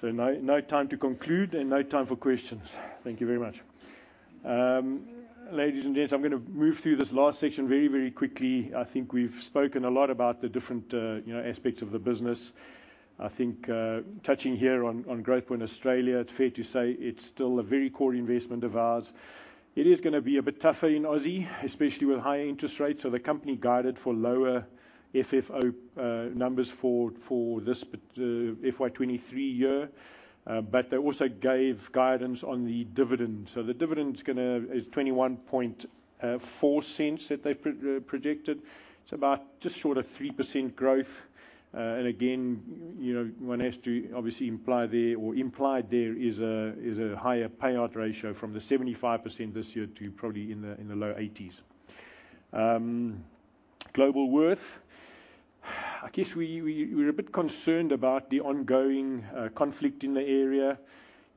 No time to conclude and no time for questions. Thank you very much. Ladies and gents, I'm gonna move through this last section very, very quickly. I think we've spoken a lot about the different, you know, aspects of the business. I think, touching here on Growthpoint Australia, it's fair to say it's still a very core investment of ours. It is gonna be a bit tougher in Aussie, especially with higher interest rates. The company guided for lower FFO numbers for this FY 2023 year. But they also gave guidance on the dividend. The dividend is 0.214 that they've projected. It's about just short of 3% growth. Again, you know, one has to obviously imply there is a higher payout ratio from the 75% this year to probably in the low 80s%. Globalworth. I guess we're a bit concerned about the ongoing conflict in the area.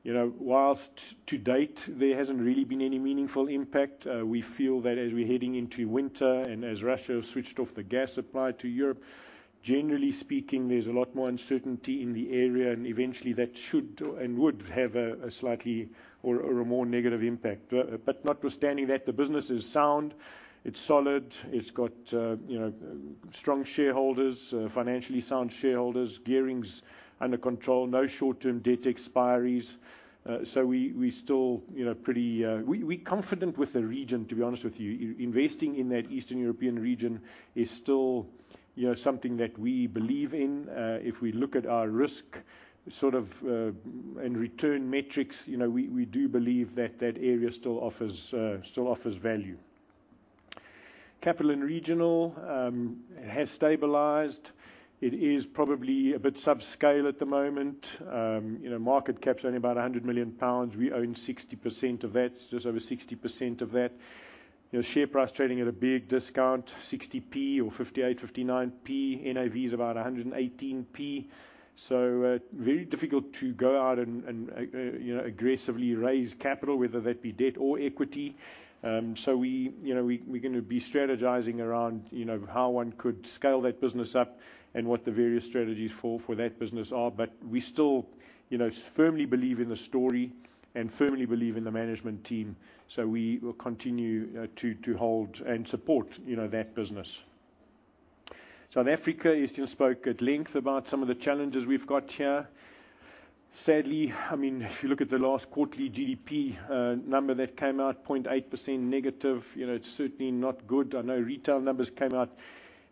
You know, whilst to date there hasn't really been any meaningful impact, we feel that as we're heading into winter and as Russia has switched off the gas supply to Europe, generally speaking, there's a lot more uncertainty in the area, and eventually that should and would have a slightly or a more negative impact. Notwithstanding that, the business is sound, it's solid. It's got, you know, strong shareholders, financially sound shareholders, gearing's under control, no short-term debt expiries. We're confident with the region, to be honest with you. Investing in that Eastern European region is still, you know, something that we believe in. If we look at our risk sort of and return metrics, you know, we do believe that that area still offers value. Capital & Regional has stabilized. It is probably a bit subscale at the moment. You know, market cap's only about 100 million pounds. We own 60% of that, just over 60% of that. You know, share price trading at a big discount, 60p or 58-59p. NAV is about 118p. Very difficult to go out and, you know, aggressively raise capital, whether that be debt or equity. We're gonna be strategizing around, you know, how one could scale that business up and what the various strategies for that business are. But we still, you know, firmly believe in the story and firmly believe in the management team, so we will continue to hold and support, you know, that business. In South Africa, Estienne spoke at length about some of the challenges we've got here. Sadly, I mean, if you look at the last quarterly GDP number that came out 0.8% negative, you know, it's certainly not good. I know retail numbers came out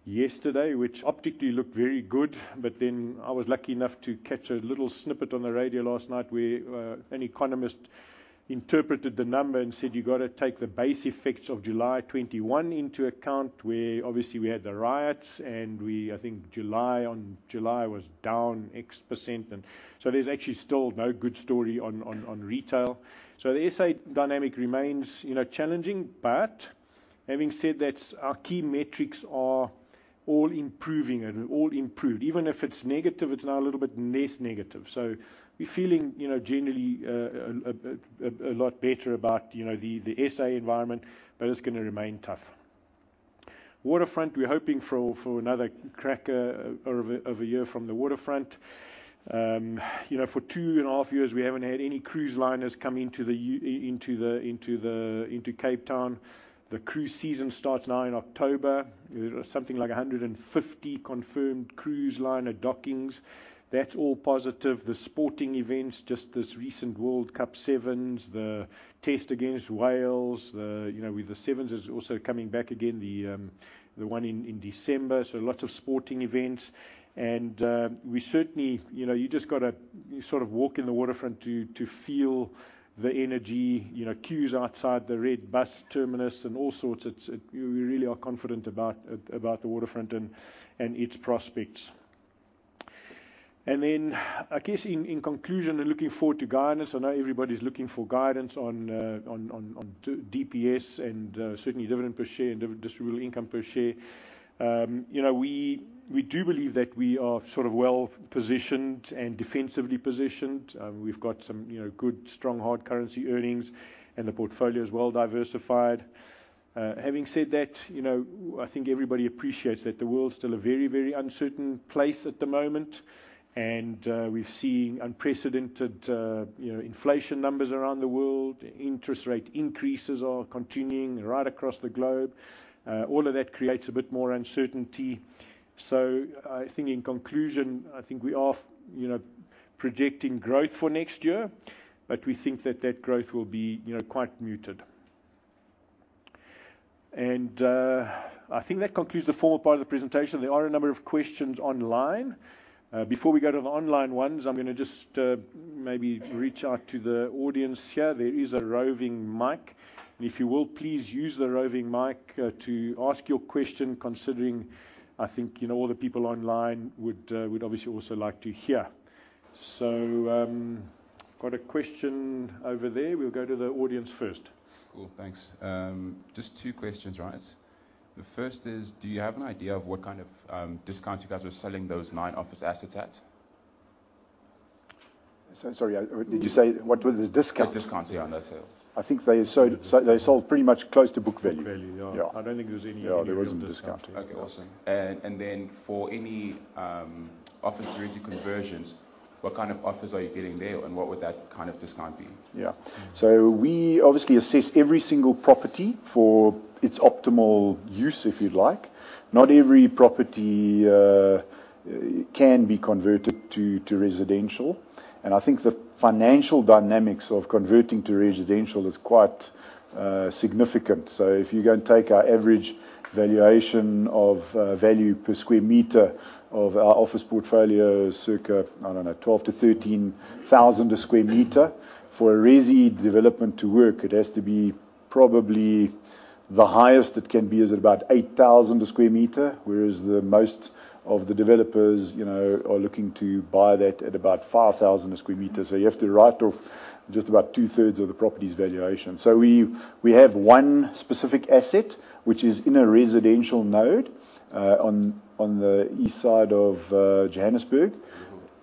yesterday, which optically looked very good, but then I was lucky enough to catch a little snippet on the radio last night where an economist interpreted the number and said, "You gotta take the base effects of July 2021 into account, where obviously we had the riots. I think July-on-July was down X%." There's actually still no good story on retail. The SA dynamic remains, you know, challenging. Having said that, our key metrics are all improving and all improved. Even if it's negative, it's now a little bit less negative. We're feeling, you know, generally a lot better about, you know, the SA environment, but it's gonna remain tough. Waterfront, we're hoping for another cracker of a year from the waterfront. You know, for two and a half years, we haven't had any cruise liners come into Cape Town. The cruise season starts now in October. There are something like 150 confirmed cruise liner dockings. That's all positive. The sporting events, just this recent Rugby World Cup Sevens, the test against Wales, you know, with the sevens is also coming back again, the one in December. Lots of sporting events. We certainly. You know, you just gotta sort of walk in the V&A Waterfront to feel the energy, you know, queues outside the Red Bus Terminus and all sorts. It. We really are confident about the V&A Waterfront and its prospects. I guess in conclusion and looking forward to guidance, I know everybody's looking for guidance on DPS and certainly dividend per share and distributable income per share. You know, we do believe that we are sort of well positioned and defensively positioned. We've got some, you know, good, strong hard currency earnings, and the portfolio is well diversified. Having said that, you know, I think everybody appreciates that the world's still a very, very uncertain place at the moment. We're seeing unprecedented, you know, inflation numbers around the world. Interest rate increases are continuing right across the globe. All of that creates a bit more uncertainty. I think in conclusion, I think we are, you know, projecting growth for next year, but we think that growth will be, you know, quite muted. I think that concludes the formal part of the presentation. There are a number of questions online. Before we go to the online ones, I'm gonna just maybe reach out to the audience here. There is a roving mic. If you will, please use the roving mic to ask your question, considering I think, you know, all the people online would obviously also like to hear. Got a question over there. We'll go to the audience first. Cool, thanks. Just two questions, guys. The first is, do you have an idea of what kind of discount you guys were selling those nine office assets at? Sorry, did you say what were the discount? The discount on that sale. I think they sold, so they sold pretty much close to book value. Book value, yah. yah. I don't think there was any real discount there. Yah, there wasn't a discount. Okay, awesome. Then for any office resi conversions, what kind of offers are you getting there, and what would that kind of discount be? Yeah. We obviously assess every single property for its optimal use, if you'd like. Not every property can be converted to residential, and I think the financial dynamics of converting to residential is quite significant. If you go and take our average valuation of value per square meter of our office portfolio, circa, I don't know, 12,000-13,000 a square meter. For a resi development to work, it has to be probably the highest it can be is at about 8,000 a square meter, whereas the most Of the developers, you know, are looking to buy that at about 5,000 sq m. You have to write off just about two-thirds of the property's valuation. We have one specific asset which is in a residential node on the east side of Johannesburg.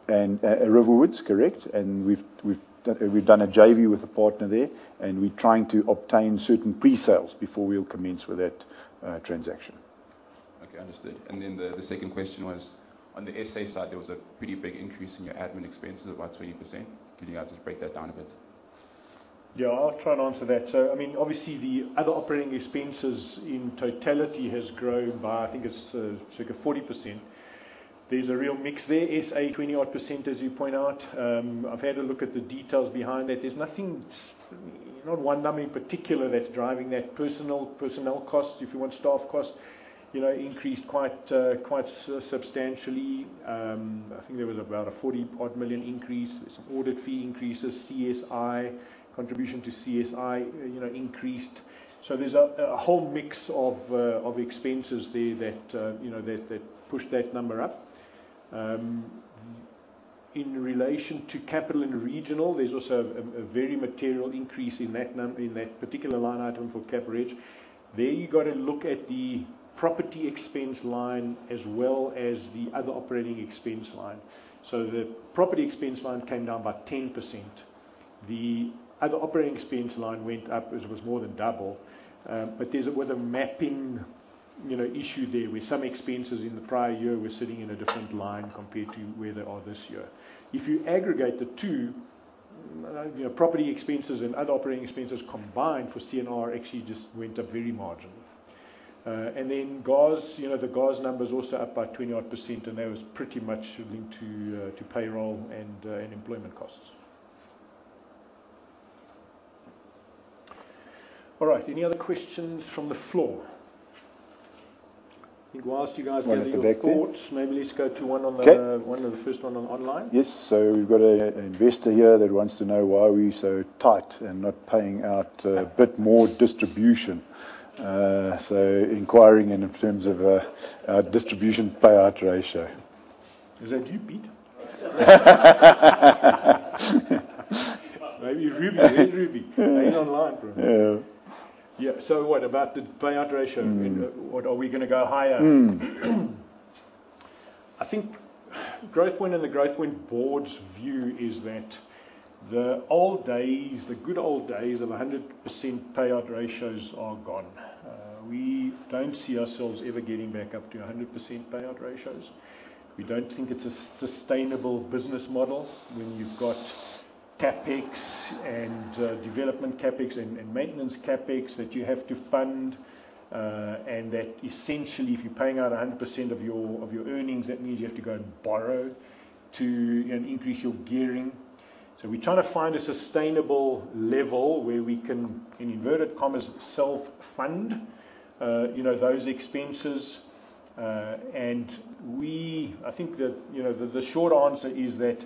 Riverwoods. Riverwoods, correct. We've done a JV with a partner there, and we're trying to obtain certain pre-sales before we'll commence with that transaction. Okay, understood. The second question was, on the SA side, there was a pretty big increase in your admin expenses of about 20%. Can you guys just break that down a bit? Yeah, I'll try and answer that. I mean, obviously the other operating expenses in totality has grown by, I think it's, sort of 40%. There's a real mix there. SA %20-odd, as you point out. I've had a look at the details behind that. There's nothing. Not one number in particular that's driving that. Personnel costs, if you want, staff costs, you know, increased quite substantially. I think there was about a 40-odd million increase. There's some audit fee increases. CSI, contribution to CSI, you know, increased. There's a whole mix of expenses there that, you know, that push that number up. In relation to Capital & Regional, there's also a very material increase in that particular line item for Cap Reg. There you've got to look at the property expense line as well as the other operating expense line. The property expense line came down by 10%. The other operating expense line went up. It was more than double. But there was a mapping, you know, issue there, where some expenses in the prior year were sitting in a different line compared to where they are this year. If you aggregate the two, you know, property expenses and other operating expenses combined for C&R actually just went up very marginal. And then G&A, you know, the G&A number's also up by %20-odd, and that was pretty much linked to payroll and employment costs. All right, any other questions from the floor? I think whilst you guys give your thoughts. One at the back there. Maybe let's go to one on the Okay One of the first ones online. Yes. We've got an investor here that wants to know why we're so tight and not paying out a bit more distribution. Inquiring in terms of our distribution payout ratio. Is that you, Pete? Maybe Ruby. Hey, Ruby. How you online, bro? Yeah. Yeah. What about the payout ratio? Mm. You know, what, are we gonna go higher? Mm. I think Growthpoint and the Growthpoint board's view is that the old days, the good old days of 100% payout ratios are gone. We don't see ourselves ever getting back up to 100% payout ratios. We don't think it's a sustainable business model when you've got CapEx and development CapEx and maintenance CapEx that you have to fund. That essentially, if you're paying out 100% of your earnings, that means you have to go and borrow to increase your gearing. We're trying to find a sustainable level where we can, in inverted commas, self-fund those expenses. I think that you know the short answer is that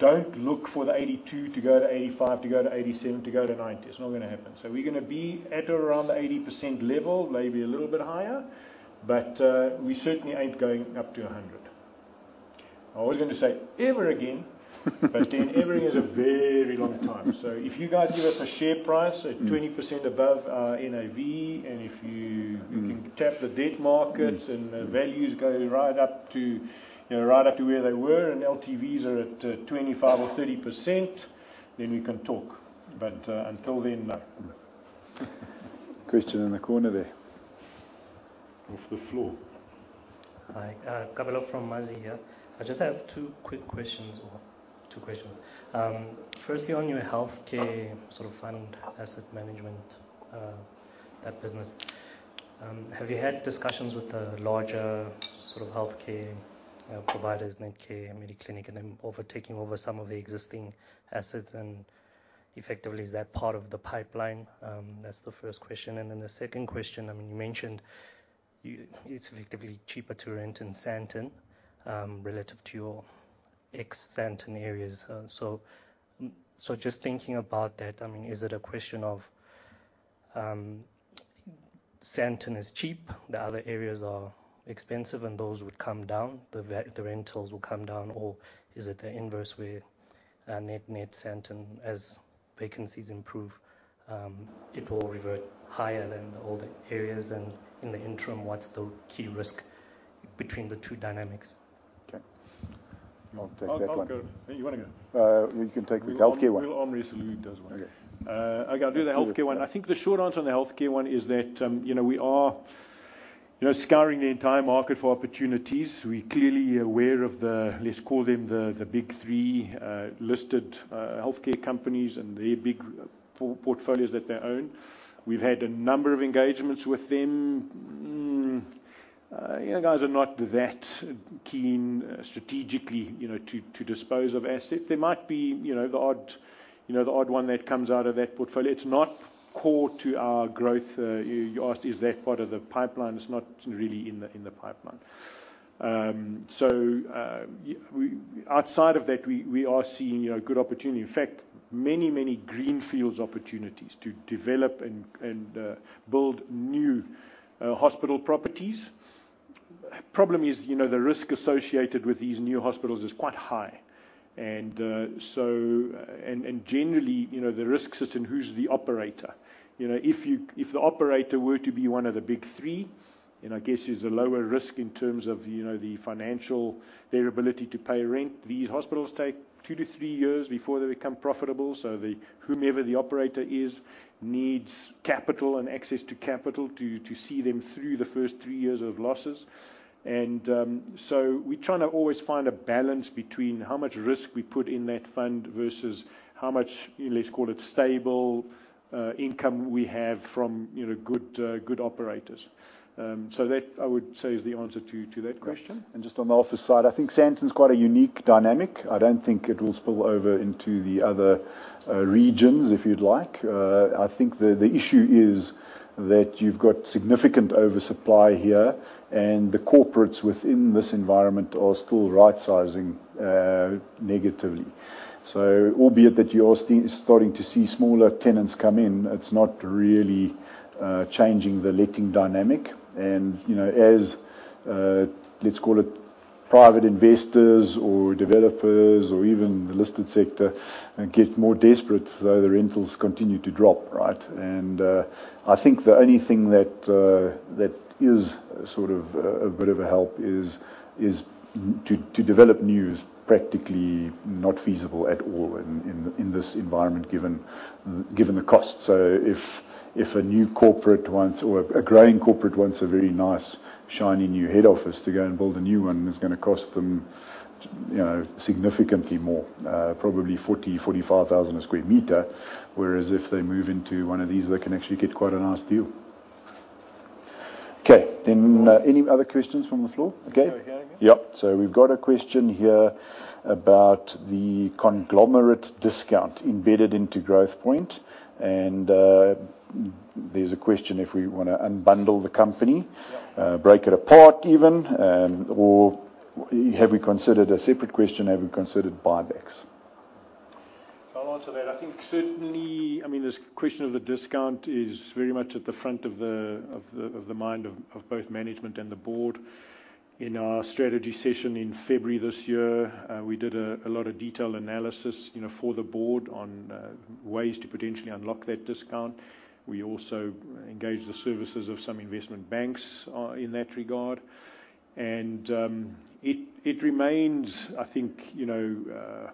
don't look for the 82 to go to 85, to go to 87, to go to 90. It's not gonna happen. We're gonna be at or around the 80% level, maybe a little bit higher. We certainly ain't going up to 100%. I was gonna say ever again. Ever is a very long time. If you guys give us a share price at 20% above our NAV, and if you- Mm You can tap the debt markets and values go right up to, you know, right up to where they were, and LTVs are at 25% or 30%, then we can talk. Until then, no. Right. Question in the corner there. Off the floor. Hi. Kabelo from Mazi here. I just have two quick questions or two questions. Firstly on your healthcare sort of fund asset management, that business. Have you had discussions with the larger sort of healthcare providers, Netcare and Mediclinic, and then on taking over some of the existing assets, and effectively is that part of the pipeline? That's the first question. The second question, I mean, you mentioned it's effectively cheaper to rent in Sandton, relative to your ex-Sandton areas. So just thinking about that, I mean, is it a question of, Sandton is cheap, the other areas are expensive, and those would come down, the rentals will come down? Or is it the inverse where, net Sandton, as vacancies improve, it will revert higher than the older areas? In the interim, what's the key risk between the two dynamics? Okay. I'll take that one. I'll go. You wanna go? You can take the healthcare one. We'll arm wrestle who does what. Okay. Okay. I'll do the healthcare one. I think the short answer on the healthcare one is that, you know, we are, you know, scouring the entire market for opportunities. We're clearly aware of the, let's call them the big three, listed healthcare companies and their big portfolios that they own. We've had a number of engagements with them. You know, guys are not that keen strategically, you know, to dispose of assets. There might be, you know, the odd one that comes out of that portfolio. It's not core to our growth. You asked is that part of the pipeline. It's not really in the pipeline. Outside of that, we are seeing, you know, a good opportunity. In fact, many, many greenfield opportunities to develop and build new hospital properties. Problem is, you know, the risk associated with these new hospitals is quite high. Generally, you know, the risk sits in who's the operator. You know, if the operator were to be one of the big three, then I guess there's a lower risk in terms of, you know, the financial, their ability to pay rent. These hospitals take two to three years before they become profitable, so whomever the operator is needs capital and access to capital to see them through the first three years of losses. We try to always find a balance between how much risk we put in that fund versus how much, let's call it stable income we have from, you know, good operators. That, I would say, is the answer to that question. Just on the office side, I think Sandton's quite a unique dynamic. I don't think it will spill over into the other regions, if you'd like. I think the issue is that you've got significant oversupply here, and the corporates within this environment are still right-sizing negatively. Albeit that you are starting to see smaller tenants come in, it's not really changing the letting dynamic. You know, as let's call it private investors or developers or even the listed sector get more desperate as the rentals continue to drop, right? I think the only thing that is sort of a bit of a help is to develop new is practically not feasible at all in this environment, given the cost. If a new corporate wants or a growing corporate wants a very nice, shiny new head office to go and build a new one, it's gonna cost them, you know, significantly more, probably 40,000-45,000 a square meter. Whereas if they move into one of these, they can actually get quite a nice deal. Okay. Any other questions from the floor? Okay. Shall we go again? Yep. We've got a question here about the conglomerate discount embedded into Growthpoint. There's a question if we wanna unbundle the company. Yeah. Break it apart even, or have we considered a separate question, have we considered buybacks? I'll answer that. I think certainly. I mean, this question of the discount is very much at the front of the mind of both management and the board. In our strategy session in February this year, we did a lot of detailed analysis, you know, for the board on ways to potentially unlock that discount. We also engaged the services of some investment banks in that regard. It remains, I think, you know,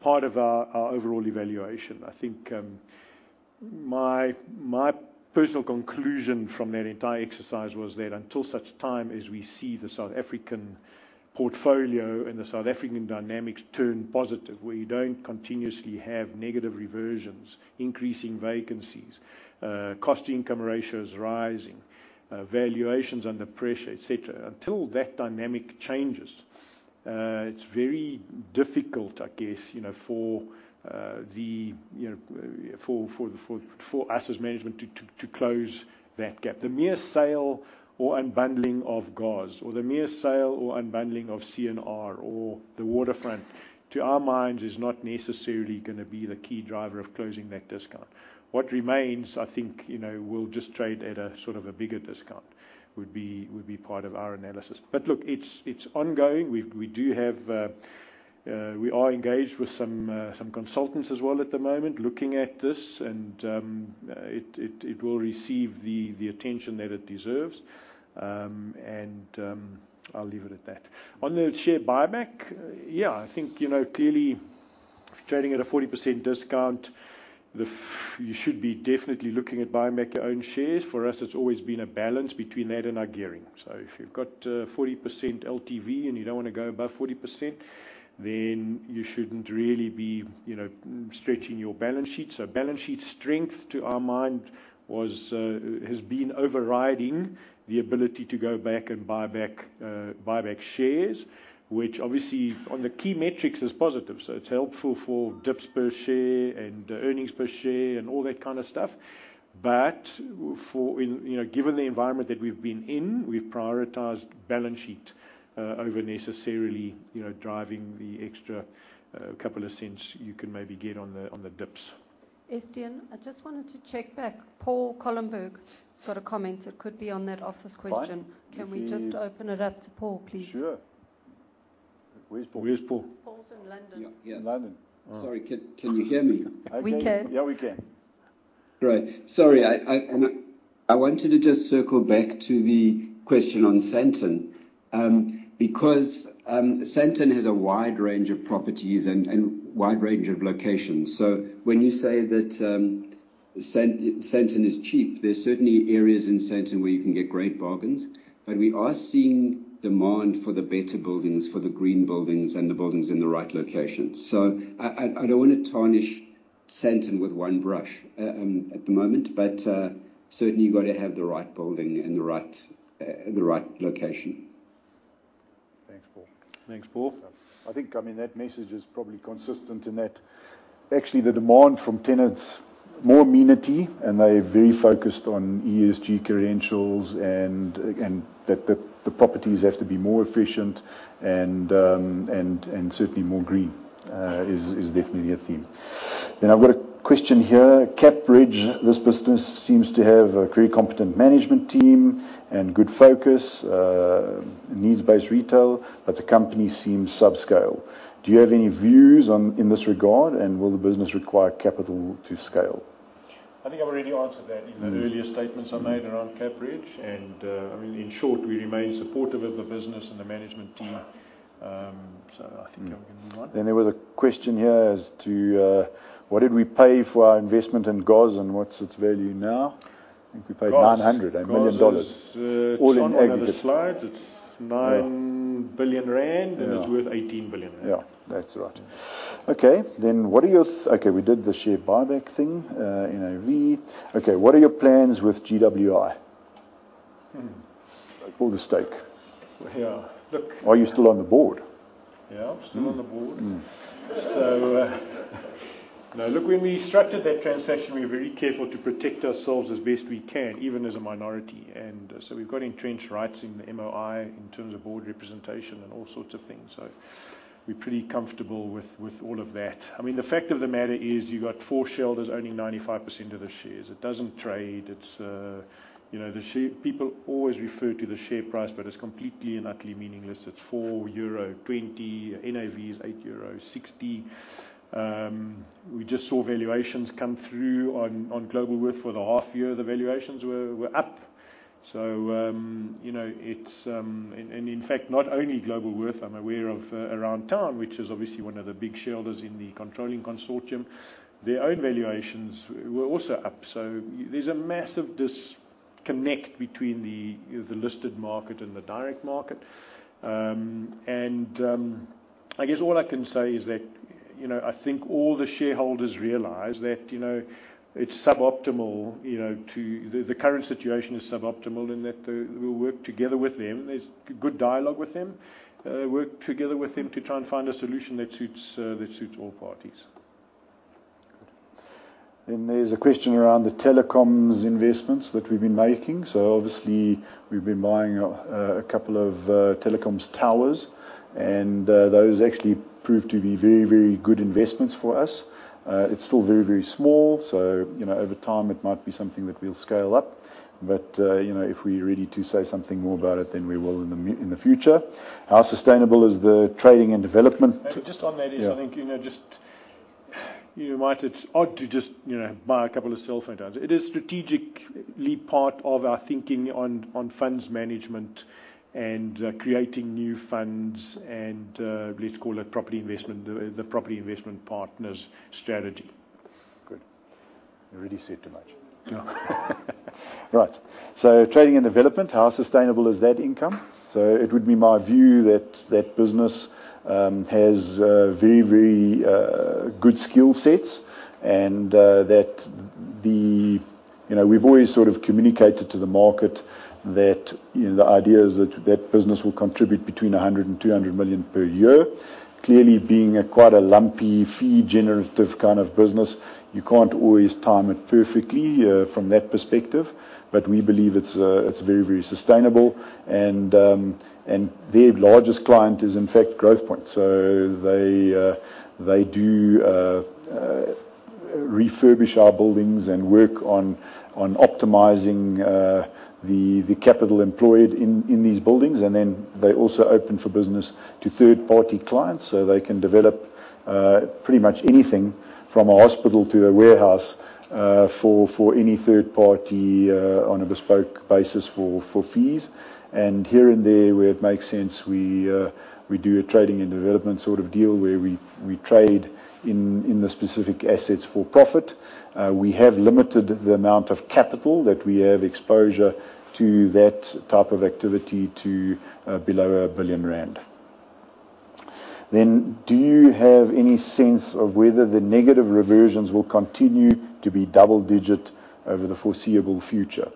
part of our overall evaluation. I think, my personal conclusion from that entire exercise was that until such time as we see the South African portfolio and the South African dynamics turn positive, where you don't continuously have negative reversions, increasing vacancies, cost income ratios rising, valuations under pressure, et cetera. Until that dynamic changes, it's very difficult, I guess, you know, for us as management to close that gap. The mere sale or unbundling of GARS, or the mere sale or unbundling of C&R or the Waterfront, to our minds is not necessarily gonna be the key driver of closing that discount. What remains, I think, you know, will just trade at a sort of a bigger discount, would be part of our analysis. Look, it's ongoing. We are engaged with some consultants as well at the moment looking at this and it will receive the attention that it deserves. I'll leave it at that. On the share buyback, yeah, I think, you know, clearly trading at a 40% discount, you should be definitely looking at buying back your own shares. For us, it's always been a balance between that and our gearing. If you've got 40% LTV and you don't wanna go above 40%, then you shouldn't really be, you know, stretching your balance sheet. Balance sheet strength, to our mind, has been overriding the ability to go back and buy back shares, which obviously on the key metrics is positive. It's helpful for DPS and earnings per share and all that kind of stuff. But for in. You know, given the environment that we've been in, we've prioritized balance sheet over necessarily, you know, driving the extra couple of cents you can maybe get on the dips. Estienne, I just wanted to check back. Paul Kollenberg’s got a comment. It could be on that office question. Fine. If he Can we just open it up to Paul, please? Sure. Where's Paul? Where's Paul? Paul's in London. Yeah. London. Oh. Sorry. Can you hear me? We can. Yeah, we can. Great. Sorry, I wanted to just circle back to the question on Sandton. Because Sandton has a wide range of properties and wide range of locations. When you say that Sandton is cheap, there's certainly areas in Sandton where you can get great bargains. We are seeing demand for the better buildings, for the green buildings and the buildings in the right locations. I don't wanna tarnish Sandton with one brush at the moment, but certainly you've gotta have the right building in the right location. Thanks, Paul. Thanks, Paul. I think, I mean, that message is probably consistent in that actually the demand from tenants, more amenity, and they're very focused on ESG credentials and that the properties have to be more efficient and certainly more green is definitely a theme. I've got a question here. C&R, this business seems to have a pretty competent management team and good focus, needs-based retail, but the company seems subscale. Do you have any views in this regard, and will the business require capital to scale? I think I've already answered that in the earlier statements I made around C&R. I mean, in short, we remain supportive of the business and the management team. I think I'm gonna move on. There was a question here as to what did we pay for our investment in GOZ and what's its value now? I think we paid $900 million. GOZ is. All in aggregate. It's on another slide. It's 9 billion rand. Yeah. It's worth 18 billion rand. Yeah, that's right. Okay. We did the share buyback thing, NAV. Okay, what are your plans with GWI? Or the stake? Yeah. Look Are you still on the board? Yeah, I'm still on the board. Mm-hmm. No, look, when we structured that transaction, we were very careful to protect ourselves as best we can, even as a minority. We've got entrenched rights in the MOI in terms of board representation and all sorts of things. We're pretty comfortable with all of that. I mean, the fact of the matter is you've got four shareholders owning 95% of the shares. It doesn't trade. People always refer to the share price, but it's completely and utterly meaningless. It's 4.20 euro. NAV is 8.60 euro. We just saw valuations come through on Globalworth for the half year. The valuations were up. In fact, not only Globalworth, I'm aware of Aroundtown, which is obviously one of the big shareholders in the controlling consortium. Their own valuations were also up. There's a massive disconnect between the listed market and the direct market. I guess all I can say is that, you know, I think all the shareholders realize that, you know, it's suboptimal. The current situation is suboptimal and that we'll work together with them. There's good dialogue with them. Work together with them to try and find a solution that suits all parties. There's a question around the telecoms investments that we've been making. Obviously, we've been buying a couple of telecoms towers, and those actually prove to be very, very good investments for us. It's still very, very small, so you know, over time it might be something that we'll scale up. If we're ready to say something more about it, then we will in the future. How sustainable is the trading and development? Just on that issue. Yeah I think, you know, just, you know, might be odd to just, you know, buy a couple of cell phone towers. It is strategically part of our thinking on funds management and creating new funds and let's call it property investment, the Growthpoint Investment Partners strategy. Good. I already said too much. No. Right. Trading and development, how sustainable is that income? It would be my view that business has very good skill sets. You know, we've always sort of communicated to the market that the idea is that business will contribute between 100 million and 200 million per year. Clearly being quite a lumpy fee generative kind of business, you can't always time it perfectly from that perspective. We believe it's very sustainable, and their largest client is, in fact, Growthpoint. They do refurbish our buildings and work on optimizing the capital employed in these buildings. They also open for business to third-party clients, so they can develop pretty much anything from a hospital to a warehouse for any third party on a bespoke basis for fees. Here and there, where it makes sense, we do a trading and development sort of deal where we trade in the specific assets for profit. We have limited the amount of capital that we have exposure to that type of activity to below 1 billion rand. Do you have any sense of whether the negative reversions will continue to be double-digit over the foreseeable future?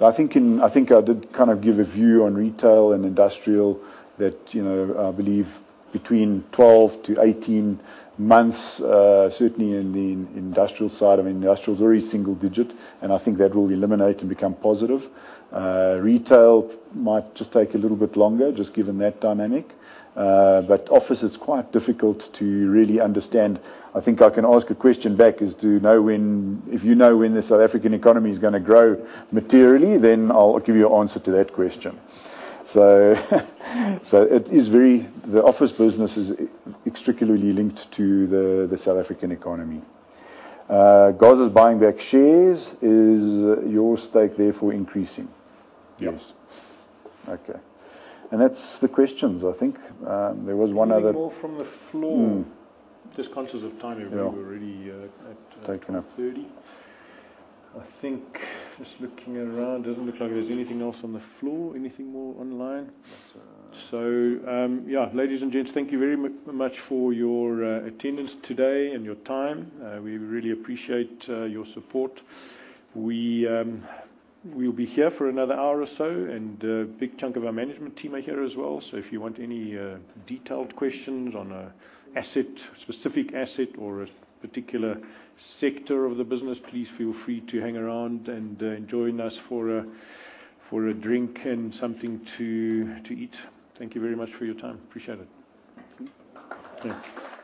I think I did kind of give a view on retail and industrial that, you know, I believe between 12-18 months, certainly in the industrial side. I mean, industrial is very single digit, and I think that will eliminate and become positive. Retail might just take a little bit longer, just given that dynamic. But office, it's quite difficult to really understand. I think I can ask a question back. Do you know when the South African economy is gonna grow materially? Then I'll give you an answer to that question. The office business is very inextricably linked to the South African economy. GOZ is buying back shares. Is your stake therefore increasing? Yes. Okay. That's the questions, I think. There was one other. Any more from the floor? Mm-hmm. Just conscious of time everybody. Yeah. We're already at. Taking up 12:30 PM. I think, just looking around, doesn't look like there's anything else on the floor. Anything more online? Let's... Ladies and gents, thank you very much for your attendance today and your time. We really appreciate your support. We'll be here for another hour or so, and a big chunk of our management team are here as well, so if you want any detailed questions on an asset, specific asset or a particular sector of the business, please feel free to hang around and join us for a drink and something to eat. Thank you very much for your time. Appreciate it. Thank you.